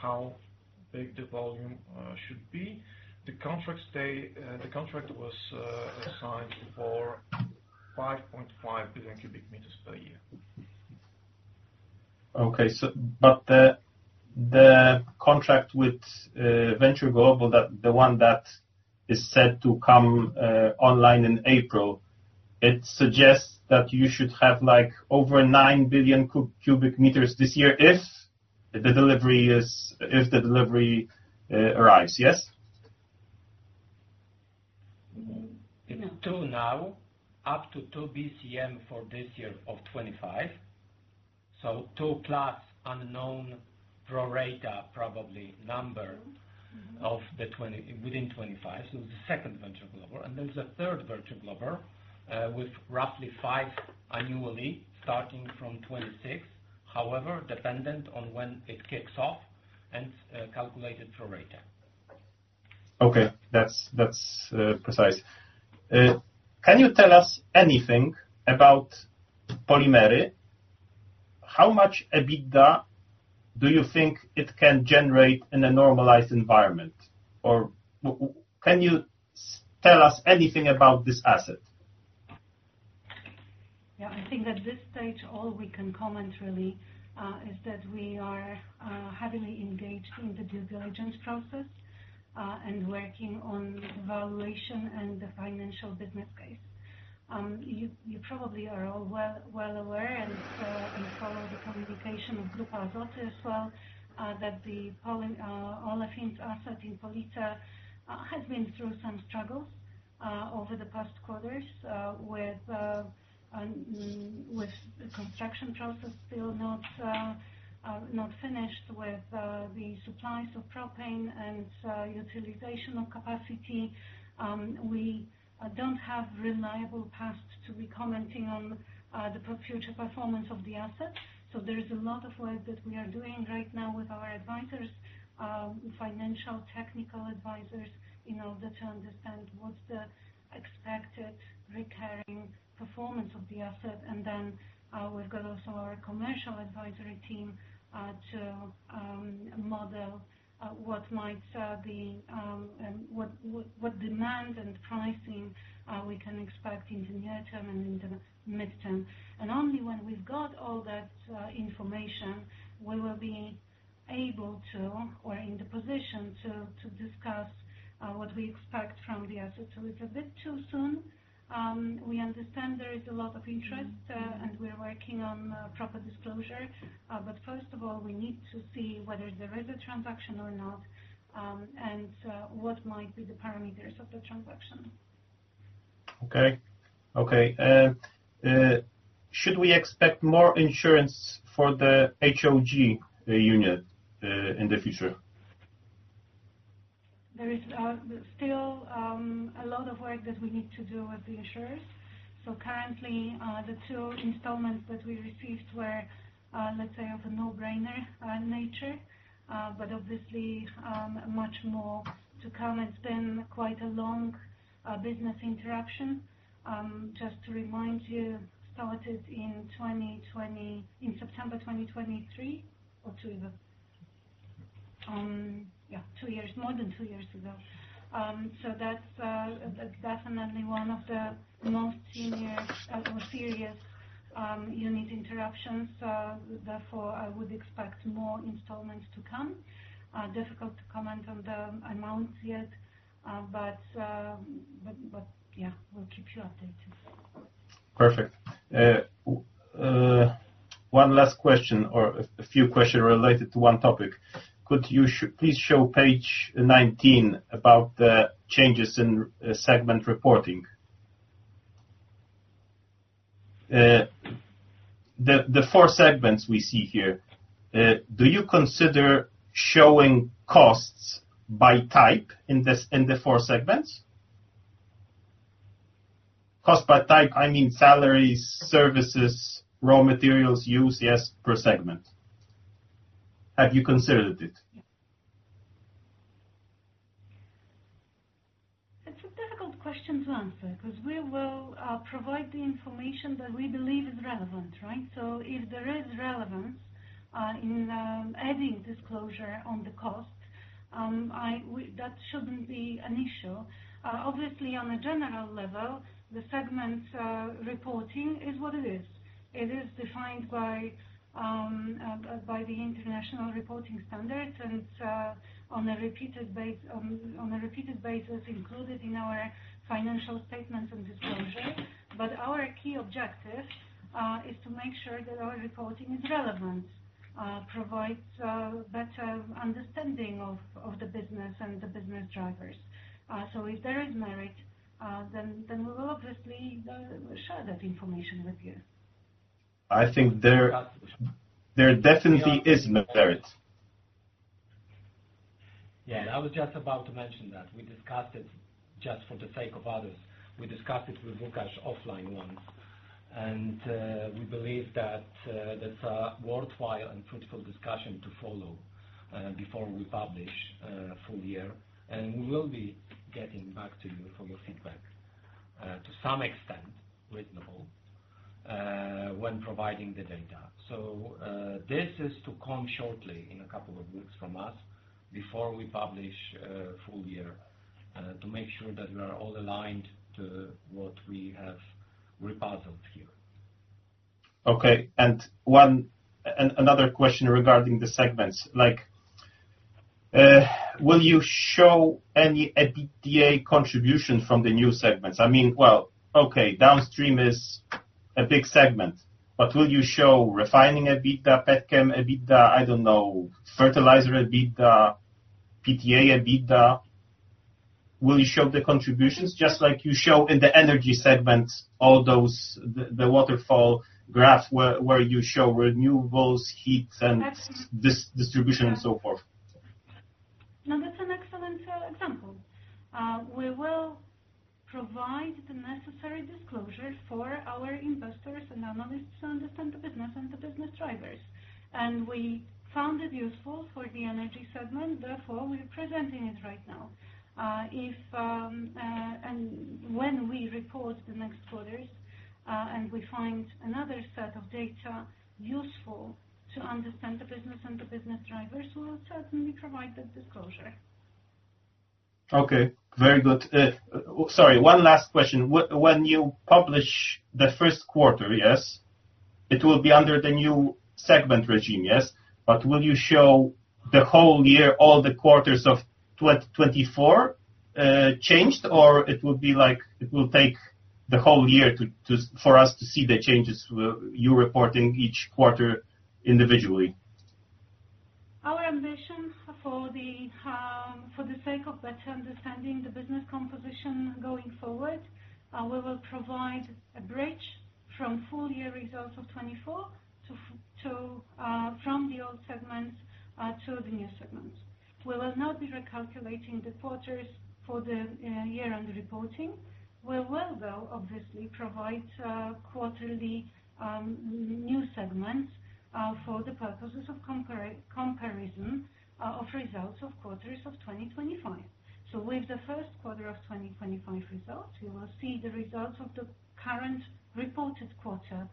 how big the volume should be. The contract was assigned for 5.5 billion cubic meters per year. Okay. But the contract with Venture Global, the one that is set to come online in April, it suggests that you should have over 9 billion cubic meters this year if the delivery arrives, yes? To now, up to 2 BCM for this year of 25. So 2 plus unknown pro rata probably number of the within 25. So it's the second Venture Global. There's a third Venture Global with roughly 5 annually starting from 2026, however, dependent on when it kicks off and calculated pro rata. Okay. That's precise. Can you tell us anything about Polimery Police? How much EBITDA do you think it can generate in a normalized environment? Or can you tell us anything about this asset? Yeah. I think at this stage, all we can comment really is that we are heavily engaged in the due diligence process and working on the valuation and the financial business case. You probably are all well aware and follow the communication of Grupa Azoty as well, that the Olefins asset in Police has been through some struggles over the past quarters with the construction process still not finished with the supplies of propane and utilization of capacity. We don't have reliable past to be commenting on the future performance of the asset. So there is a lot of work that we are doing right now with our advisors, financial technical advisors, in order to understand what's the expected recurring performance of the asset. And then we've got also our commercial advisory team to model what might be what demand and pricing we can expect in the near term and in the midterm. And only when we've got all that information, we will be able to, or in the position to discuss what we expect from the asset. So it's a bit too soon. We understand there is a lot of interest, and we're working on proper disclosure. But first of all, we need to see whether there is a transaction or not and what might be the parameters of the transaction. Okay. Okay. And should we expect more insurance for the HOG Unit in the future? There is still a lot of work that we need to do with the insurers. So currently, the two installments that we received were, let's say, of a no-brainer nature, but obviously much more to come. It's been quite a long business interaction. Just to remind you, started in September 2023 or two years. Yeah, two years, more than two years ago. So that's definitely one of the most senior or serious insurance interactions. Therefore, I would expect more installments to come. Difficult to comment on the amount yet, but yeah, we'll keep you updated. Perfect. One last question or a few questions related to one topic. Could you please show page 19 about the changes in segment reporting? The four segments we see here, do you consider showing costs by type in the four segments? Cost by type, I mean salaries, services, raw materials used, yes, per segment. Have you considered it? It's a difficult question to answer because we will provide the information that we believe is relevant, right? So if there is relevance in adding disclosure on the cost, that shouldn't be an issue. Obviously, on a general level, the segment reporting is what it is. It is defined by the international reporting standards and on a repeated basis included in our financial statements and disclosure. But our key objective is to make sure that our reporting is relevant, provides better understanding of the business and the business drivers. So if there is merit, then we will obviously share that information with you. I think there definitely is merit. Yeah. I was just about to mention that. We discussed it just for the sake of others. We discussed it with Łukasz offline once. We believe that that's a worthwhile and fruitful discussion to follow before we publish full year. We will be getting back to you for your feedback to some extent reasonable when providing the data. This is to come shortly in a couple of weeks from us before we publish full year to make sure that we are all aligned to what we have rehearsed here. Okay. Another question regarding the segments. Will you show any EBITDA contribution from the new segments? I mean, well, okay, Downstream is a big segment, but will you show refining EBITDA, petchem EBITDA, I don't know, fertilizer EBITDA, PTA EBITDA? Will you show the contributions just like you show in the Energy segment, all those, the waterfall graph where you show renewables, heat, and distribution, and so forth? No, that's an excellent example. We will provide the necessary disclosure for our Investors and Analysts to understand the business and the business drivers. And we found it useful for the Energy segment. Therefore, we're presenting it right now. And when we report the next quarters and we find another set of data useful to understand the business and the business drivers, we will certainly provide that disclosure. Okay. Very good. Sorry, one last question. When you publish the first quarter, yes, it will be under the new segment regime, yes? But will you show the whole year, all the quarters of 2024 changed, or it will be like it will take the whole year for us to see the changes you're reporting each quarter individually? Our ambition for the sake of better understanding the business composition going forward, we will provide a bridge from full year results of 2024 from the old segments to the new segments. We will not be recalculating the quarters for the year-end reporting. We will, though, obviously provide quarterly new segments for the purposes of comparison of results of quarters of 2025. So with the first quarter of 2025 results, you will see the results of the current reported quarter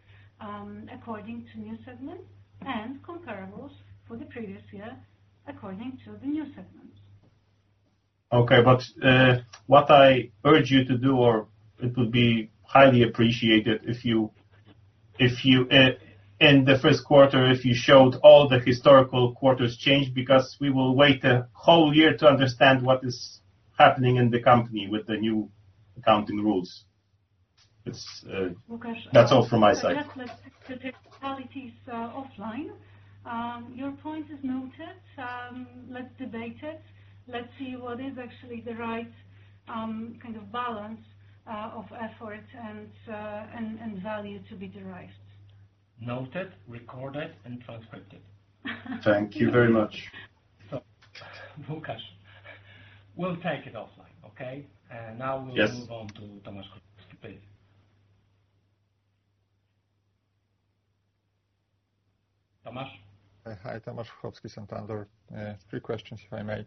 according to new segments and comparables for the previous year according to the new segments. Okay. But what I urge you to do, or it would be highly appreciated if you, in the first quarter, if you showed all the historical quarters changed because we will wait a whole year to understand what is happening in the company with the new accounting rules. That's all from my side. Let's look at the technicalities offline. Your point is noted. Let's debate it. Let's see what is actually the right kind of balance of effort and value to be derived. Noted, recorded, and transcribed. Thank you very much. Łukasz, we'll take it offline, okay? And now we'll move on to Tomasz Krukowski, please. Tomasz? Hi, Tomasz Krukowski, Santander. Three questions, if I may.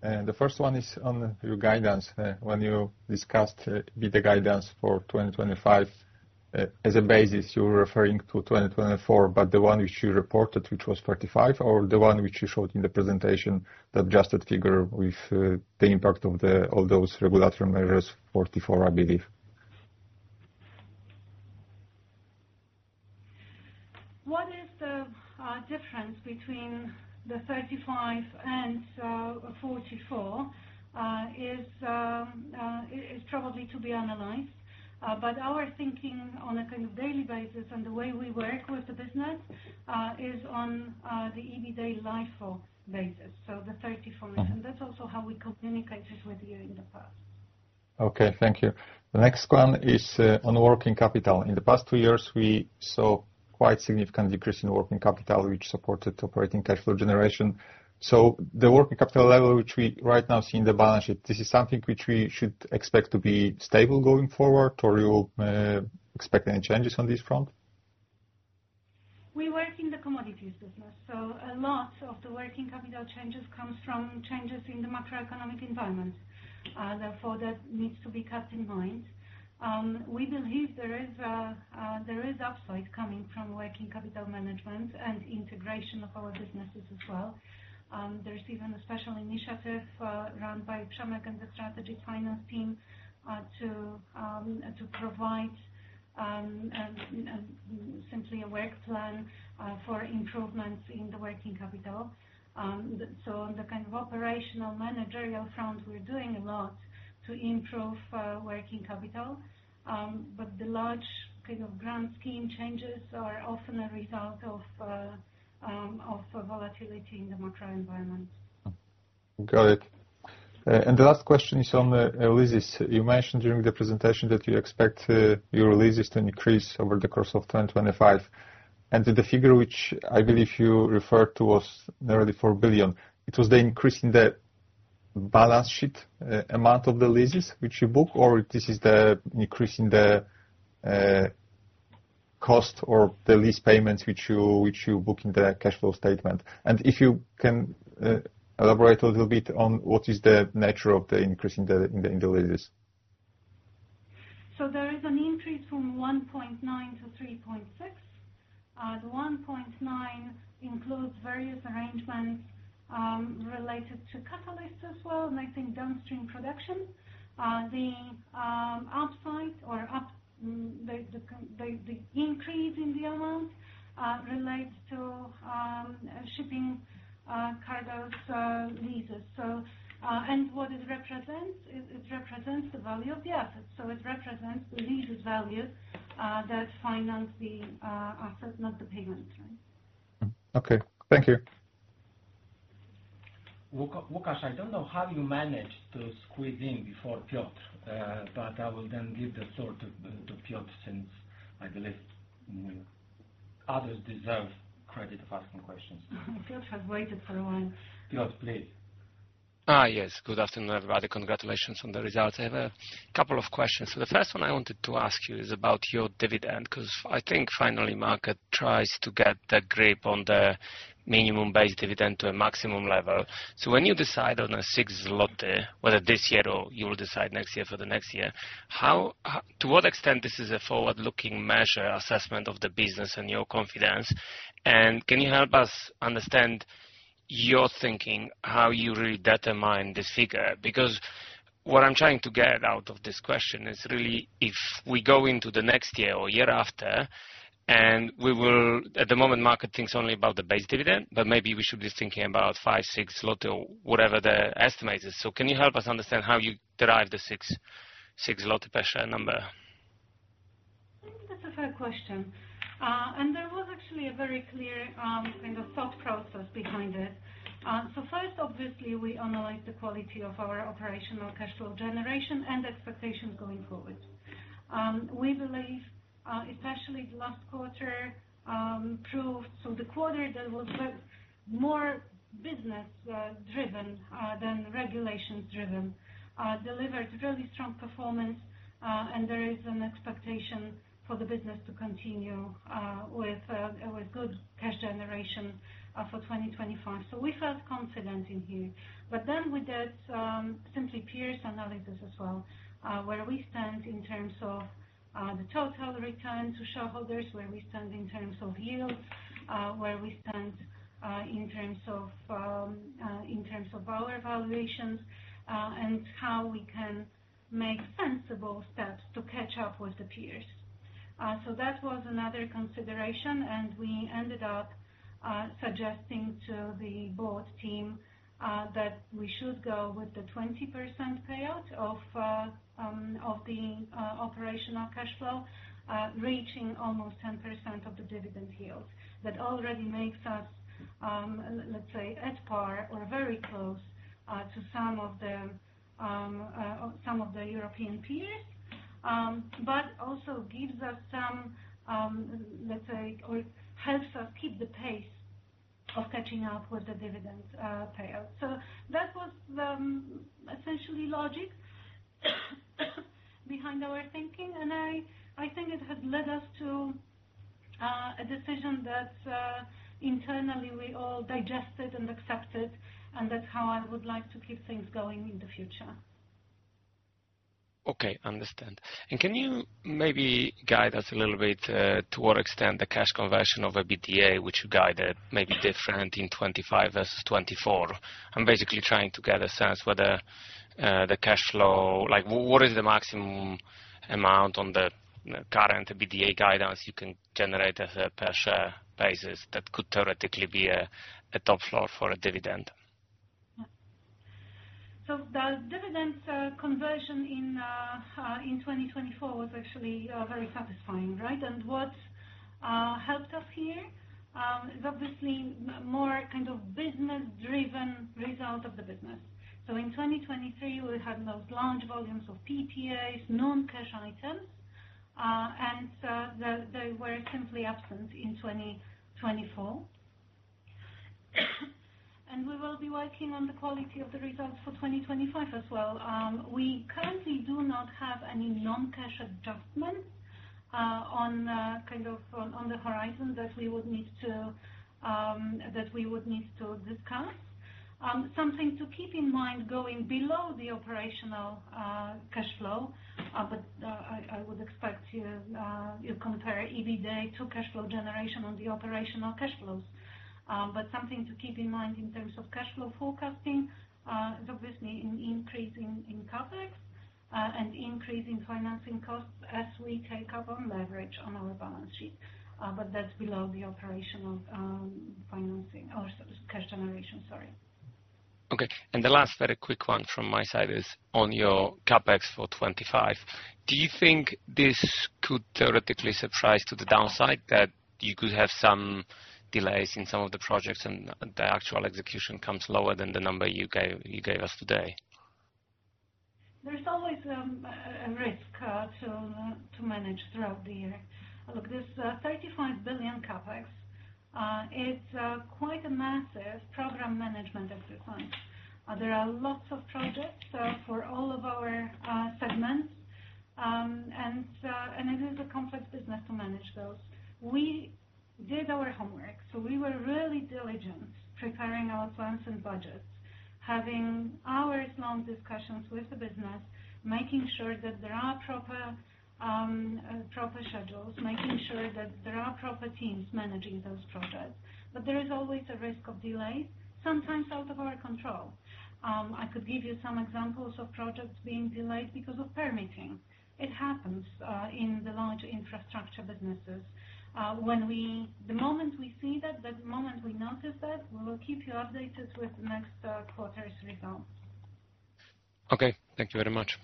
The first one is on your guidance. When you discussed EBITDA guidance for 2025, as a basis, you were referring to 2024, but the one which you reported, which was 35, or the one which you showed in the presentation, the adjusted figure with the impact of all those regulatory measures, 44, I believe. What is the difference between the 35 and 44 is probably to be analyzed. But, our thinking on a kind of daily basis and the way we work with the business is on the EBITDA LIFO basis, so the 34. And that's also how we communicated with you in the past. Okay. Thank you. The next one is on working capital. In the past two years, we saw quite a significant decrease in working capital, which supported operating cash flow generation. So the working capital level, which we right now see in the balance sheet, this is something which we should expect to be stable going forward, or you expect any changes on this front? We work in the commodities business, so a lot of the working capital changes come from changes in the macroeconomic environment. Therefore, that needs to be kept in mind. We believe there is upside coming from working capital management and integration of our businesses as well. There's even a special initiative run by Przemek and the strategic finance team to provide simply a work plan for improvements in the working capital. So on the kind of operational managerial front, we're doing a lot to improve working capital. But the large kind of grand scheme changes are often a result of volatility in the macro environment. Got it. And the last question is on leases. You mentioned during the presentation that you expect your leases to increase over the course of 2025. And the figure which I believe you referred to was nearly 4 billion. It was the increase in the balance sheet amount of the leases which you book, or this is the increase in the cost or the lease payments which you book in the cash flow statement? And if you can elaborate a little bit on what is the nature of the increase in the leases? So there is an increase from 1.9 to 3.6. The 1.9 includes various arrangements related to catalysts as well, and I think Downstream production. The upside or the increase in the amount relates to shipping cargo leases. And what it represents, it represents the value of the assets. So it represents the lease value that finances the asset, not the payment, right? Okay. Thank you. Łukasz, I don't know how you managed to squeeze in before Piotr, but I will then give the floor to Piotr since I believe others deserve credit for asking questions. Piotr has waited for a while. Piotr, please. Yes. Good afternoon, everybody. Congratulations on the results. I have a couple of questions. The first one I wanted to ask you is about your dividend because I think finally the market tries to get a grip on the minimum base dividend to a maximum level. When you decide on 6 zloty, whether this year or you will decide next year for the next year, to what extent this is a forward-looking measure assessment of the business and your confidence? And can you help us understand your thinking, how you really determine this figure? Because what I'm trying to get out of this question is really if we go into the next year or year after, and we will, at the moment, the market thinks only about the base dividend, but maybe we should be thinking about 5, 6, whatever the estimate is. Can you help us understand how you derive the 6 per share number? I think that's a fair question, and there was actually a very clear kind of thought process behind it, so first, obviously, we analyze the quality of our operational cash flow generation and expectations going forward. We believe, especially the last quarter proved, so the quarter that was more business-driven than regulations-driven delivered really strong performance, and there is an expectation for the business to continue with good cash generation for 2025, so we felt confident in here, but then we did simply peer analysis as well, where we stand in terms of the total return to shareholders, where we stand in terms of yields, where we stand in terms of our valuations, and how we can make sensible steps to catch up with the peers. So that was another consideration, and we ended up suggesting to the board team that we should go with the 20% payout of the operational cash flow, reaching almost 10% of the dividend yields. That already makes us, let's say, at par or very close to some of the European peers, but also gives us some, let's say, or helps us keep the pace of catching up with the dividend payout. So that was essentially logic behind our thinking, and I think it has led us to a decision that internally we all digested and accepted, and that's how I would like to keep things going in the future. Okay. I understand. And can you maybe guide us a little bit to what extent the cash conversion of EBITDA, which you guided, may be different in 2025 versus 2024? I'm basically trying to get a sense whether the cash flow, what is the maximum amount on the current EBITDA guidance you can generate as a per share basis that could theoretically be a top floor for a dividend? So the dividend conversion in 2024 was actually very satisfying, right? And what helped us here is obviously more kind of business-driven result of the business. So in 2023, we had those large volumes of PTAs, non-cash items, and they were simply absent in 2024. And we will be working on the quality of the results for 2025 as well. We currently do not have any non-cash adjustment on the horizon that we would need to discuss. Something to keep in mind going below the operational cash flow, but I would expect you compare EBITDA to cash flow generation on the operational cash flows. Something to keep in mind in terms of cash flow forecasting is obviously an increase in CapEx and increase in financing costs as we take up on leverage on our balance sheet. But that's below the operational financing or cash generation, sorry. Okay. And the last very quick one from my side is on your CapEx for 2025. Do you think this could theoretically surprise to the downside that you could have some delays in some of the projects and the actual execution comes lower than the number you gave us today? There's always a risk to manage throughout the year. Look, this 35 billion CapEx, it's quite a massive program management exercise. There are lots of projects for all of our segments, and it is a complex business to manage those. We did our homework. So we were really diligent preparing our plans and budgets, having hours-long discussions with the business, making sure that there are proper schedules, making sure that there are proper teams managing those projects. But there is always a risk of delays, sometimes out of our control. I could give you some examples of projects being delayed because of permitting. It happens in the large infrastructure businesses. The moment we see that, the moment we notice that, we will keep you updated with the next quarter's results. Okay. Thank you very much.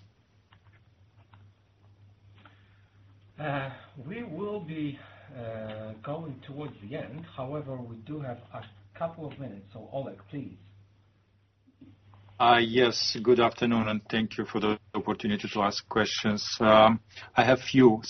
We will be going towards the end. However, we do have a couple of minutes. So Oleg, please. Yes. Good afternoon, and thank you for the opportunity to ask questions. I have a few.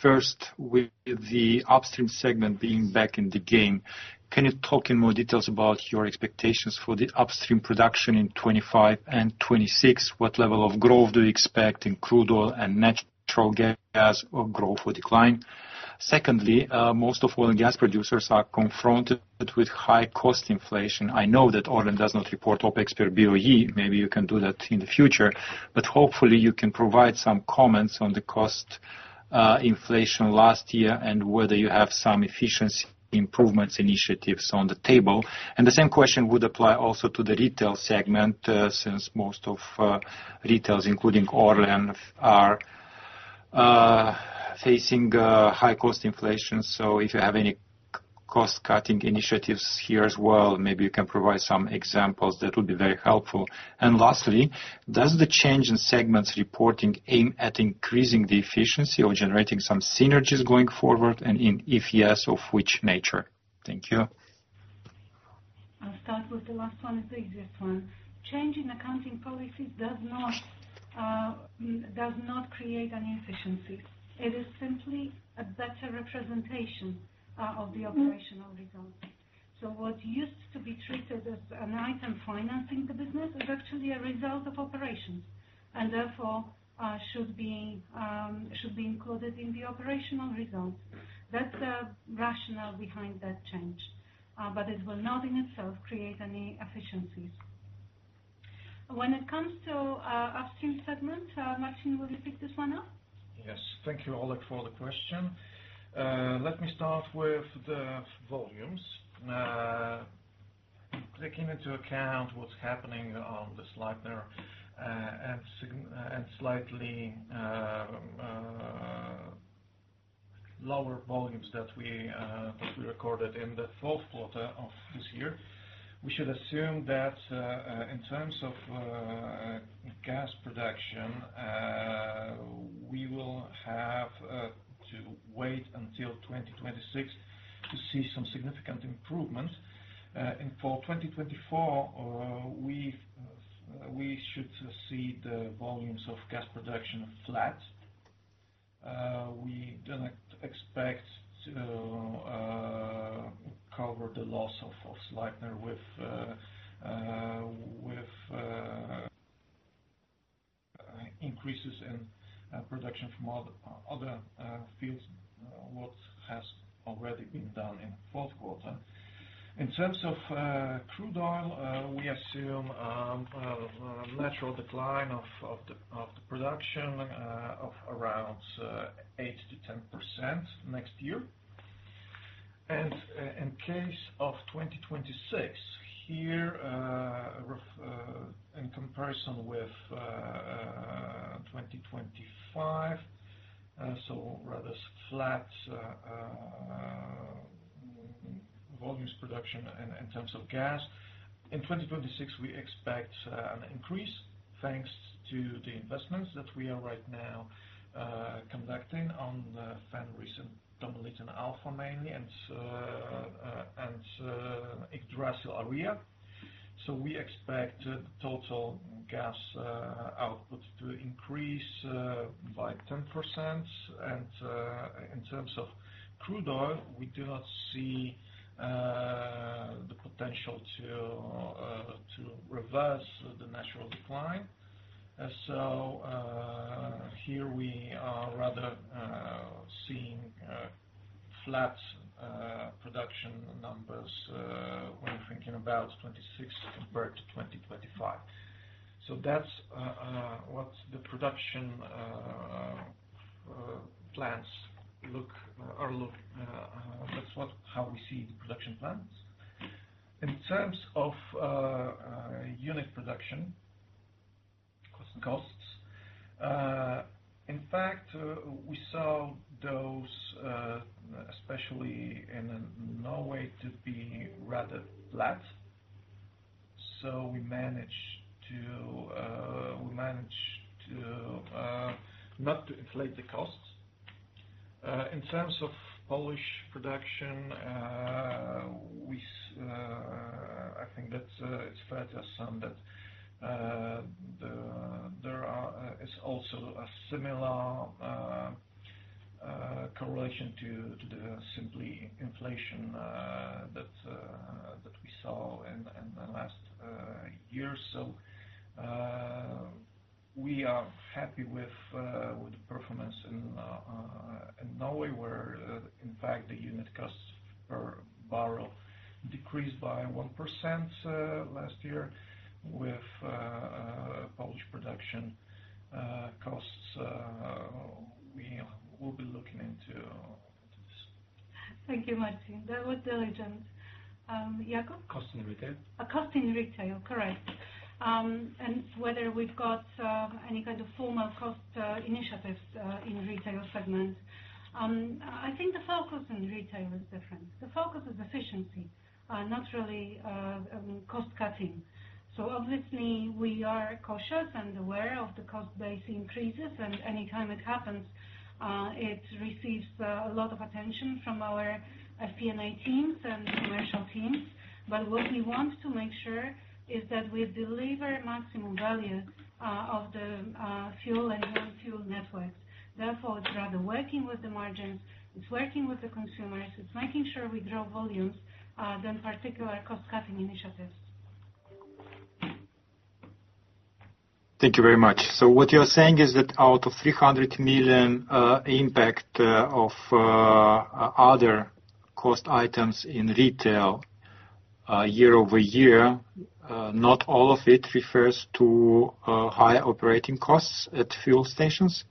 First, with the upstream segment being back in the game, can you talk in more details about your expectations for the upstream production in 2025 and 2026? What level of growth do you expect in crude oil and natural gas or growth or decline? Secondly, most of oil and gas producers are confronted with high cost inflation. I know that Orlen does not report OpEx per BOE. Maybe you can do that in the future, but hopefully, you can provide some comments on the cost inflation last year and whether you have some efficiency improvements initiatives on the table. And the same question would apply also to the retail segment since most of retailers, including Orlen, are facing high cost inflation. So if you have any cost-cutting initiatives here as well, maybe you can provide some examples that would be very helpful. Lastly, does the change in segments reporting aim at increasing the efficiency or generating some synergies going forward? And if yes, of which nature? Thank you. I'll start with the last one and the easiest one. Change in accounting policies does not create an efficiency. It is simply a better representation of the operational results. So what used to be treated as an item financing the business is actually a result of operations and therefore should be included in the operational results. That's the rationale behind that change, but it will not in itself create any efficiencies. When it comes to upstream segments, Martin, will you pick this one up? Yes. Thank you, Oleg, for the question. Let me start with the volumes. Taking into account what's happening on the Sleipner and slightly lower volumes that we recorded in the fourth quarter of this year, we should assume that in terms of gas production, we will have to wait until 2026 to see some significant improvements. For 2024, we should see the volumes of gas production flat. We don't expect to cover the loss of Sleipner with increases in production from other fields, what has already been done in the fourth quarter. In terms of crude oil, we assume a natural decline of the production of around 8%-10% next year, and in case of 2026, here in comparison with 2025, so rather flat volumes production in terms of gas, in 2026, we expect an increase thanks to the investments that we are right now conducting on the Fenris and Tommeliten Alpha mainly and Yggdrasil area. So we expect total gas output to increase by 10%. And in terms of crude oil, we do not see the potential to reverse the natural decline. So here we are rather seeing flat production numbers when thinking about 2026 compared to 2025. So that's what the production plans look, or look. That's how we see the production plans. In terms of unit production costs, in fact, we saw those especially in Norway to be rather flat. So we managed not to inflate the costs. In terms of Polish production, I think it's fair to assume that there is also a similar correlation to the simple inflation that we saw in the last year. So we are happy with the performance in Norway, where in fact, the unit costs per barrel decreased by 1% last year with Polish production costs. We will be looking into this. Thank you, Martin. That was diligent. Jakub? Cost in retail. Cost in retail, correct. And whether we've got any kind of formal cost initiatives in retail segment. I think the focus in retail is different. The focus is efficiency, not really cost-cutting. So obviously, we are cautious and aware of the cost-based increases, and anytime it happens, it receives a lot of attention from our FP&A teams and commercial teams. But what we want to make sure is that we deliver maximum value of the fuel and non-fuel networks. Therefore, it's rather working with the margins. It's working with the consumers. It's making sure we grow volumes than particular cost-cutting initiatives. Thank you very much. So what you're saying is that out of 300 million impact of other cost items in retail year-over-year, not all of it refers to high operating costs at fuel stations?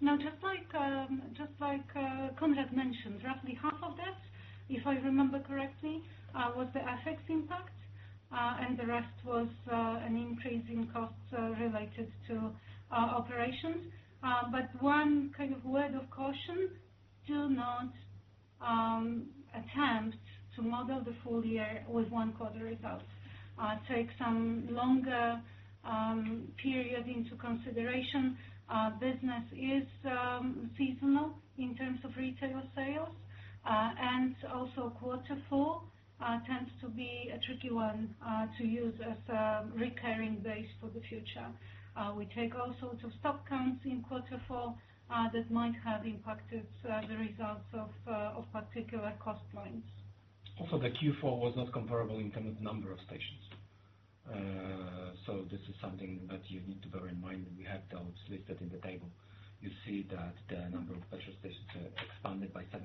No, just like Konrad mentioned, roughly half of that, if I remember correctly, was the FX impact, and the rest was an increase in costs related to operations. But one kind of word of caution: do not attempt to model the full year with one-quarter results. Take some longer period into consideration. Business is seasonal in terms of retail sales, and also Q4 tends to be a tricky one to use as a recurring base for the future. We take all sorts of stock counts in Q4 that might have impacted the results of particular cost points. Also, the Q4 was not comparable in terms of number of stations. So this is something that you need to bear in mind. We have those listed in the table. You see that the number of petrol stations expanded by 7%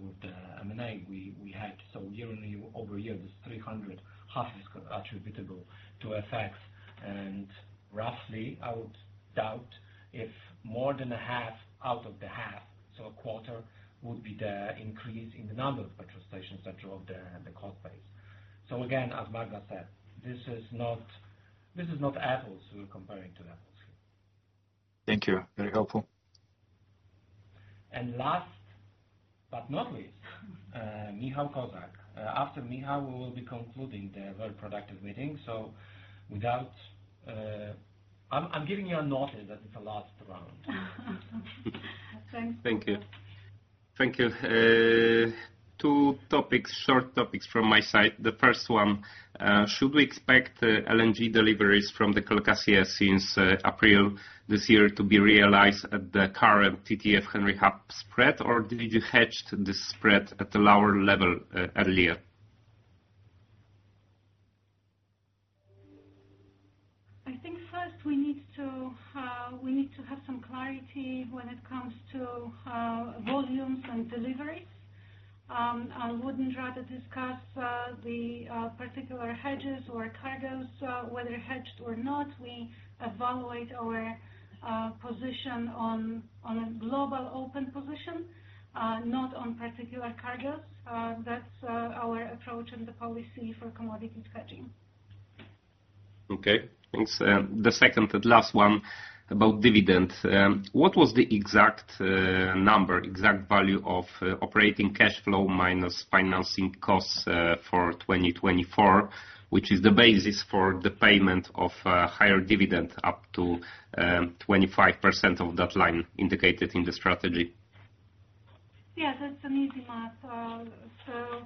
with the M&A we had. So year-over-year, this 300 half is attributable to FX. And roughly, I would doubt if more than a half out of the half, so a quarter, would be the increase in the number of petrol stations that drove the cost base. So again, as Magda said, this is not apples to apples here. Thank you. Very helpful. And last but not least, Michał Kozak. After Miha, we will be concluding the very productive meeting. So I'm giving you a notice that it's the last round. Thank you. Thank you. Two short topics from my side. The first one, should we expect LNG deliveries from the Calcasieu Pass since April this year to be realized at the current TTF-Henry Hub spread, or did you hedge this spread at a lower level earlier? I think first we need to have some clarity when it comes to volumes and deliveries. I wouldn't rather discuss the particular hedges or cargoes, whether hedged or not. We evaluate our position on a global open position, not on particular cargoes. That's our approach and the policy for commodities hedging. Okay. Thanks. The second and last one about dividends. What was the exact number, exact value of operating cash flow minus financing costs for 2024, which is the basis for the payment of higher dividend up to 25% of that line indic ated in the strategy? Yes, it's an easy math. So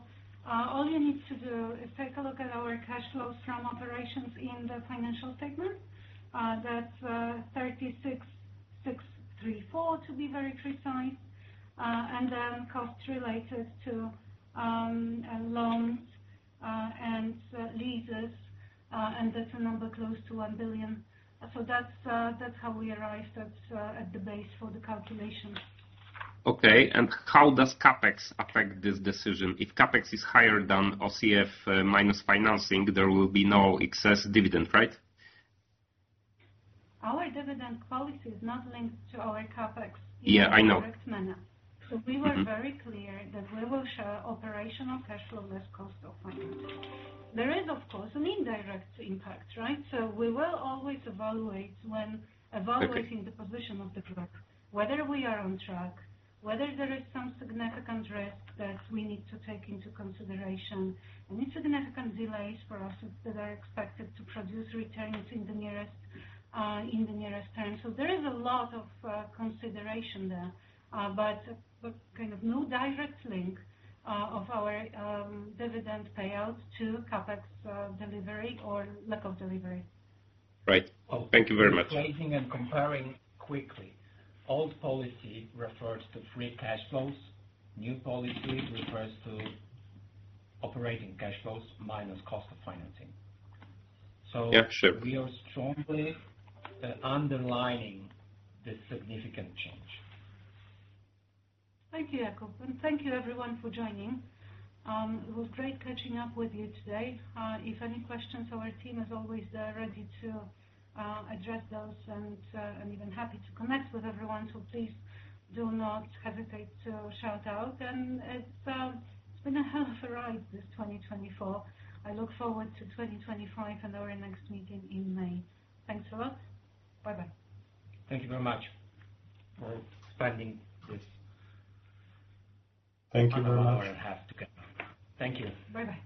all you need to do is take a look at our cash flows from operations in the financial statement. That's 36,634 to be very precise. And then costs related to loans and leases, and that's a number close to 1 billion. So that's how we arrived at the base for the calculation. Okay. And how does CapEx affect this decision? If CapEx is higher than OCF minus financing, there will be no excess dividend, right? Our dividend policy is not linked to our CapEx in a direct manner. So we were very clear that we will show operational cash flow less cost of financing. There is, of course, an indirect impact, right? So we will always evaluate when evaluating the position of the group, whether we are on track, whether there is some significant risk that we need to take into consideration, any significant delays for us that are expected to produce returns in the nearest time. So there is a lot of consideration there, but kind of no direct link of our dividend payout to CapEx delivery or lack of delivery. Right. Thank you very much. Comparing quickly, old policy refers to free cash flows. New policy refers to operating cash flows minus cost of financing. We are strongly underlining the significant change. Thank you, Jakub. And thank you, everyone, for joining. It was great catching up with you today. If any questions, our team is always ready to address those and even happy to connect with everyone. So please do not hesitate to shout out. And it's been a hell of a ride this 2024. I look forward to 2025 and our next meeting in May. Thanks a lot. Bye-bye. Thank you very much for spending this. Thank you very much. One hour and a half together. Thank you. Bye-bye.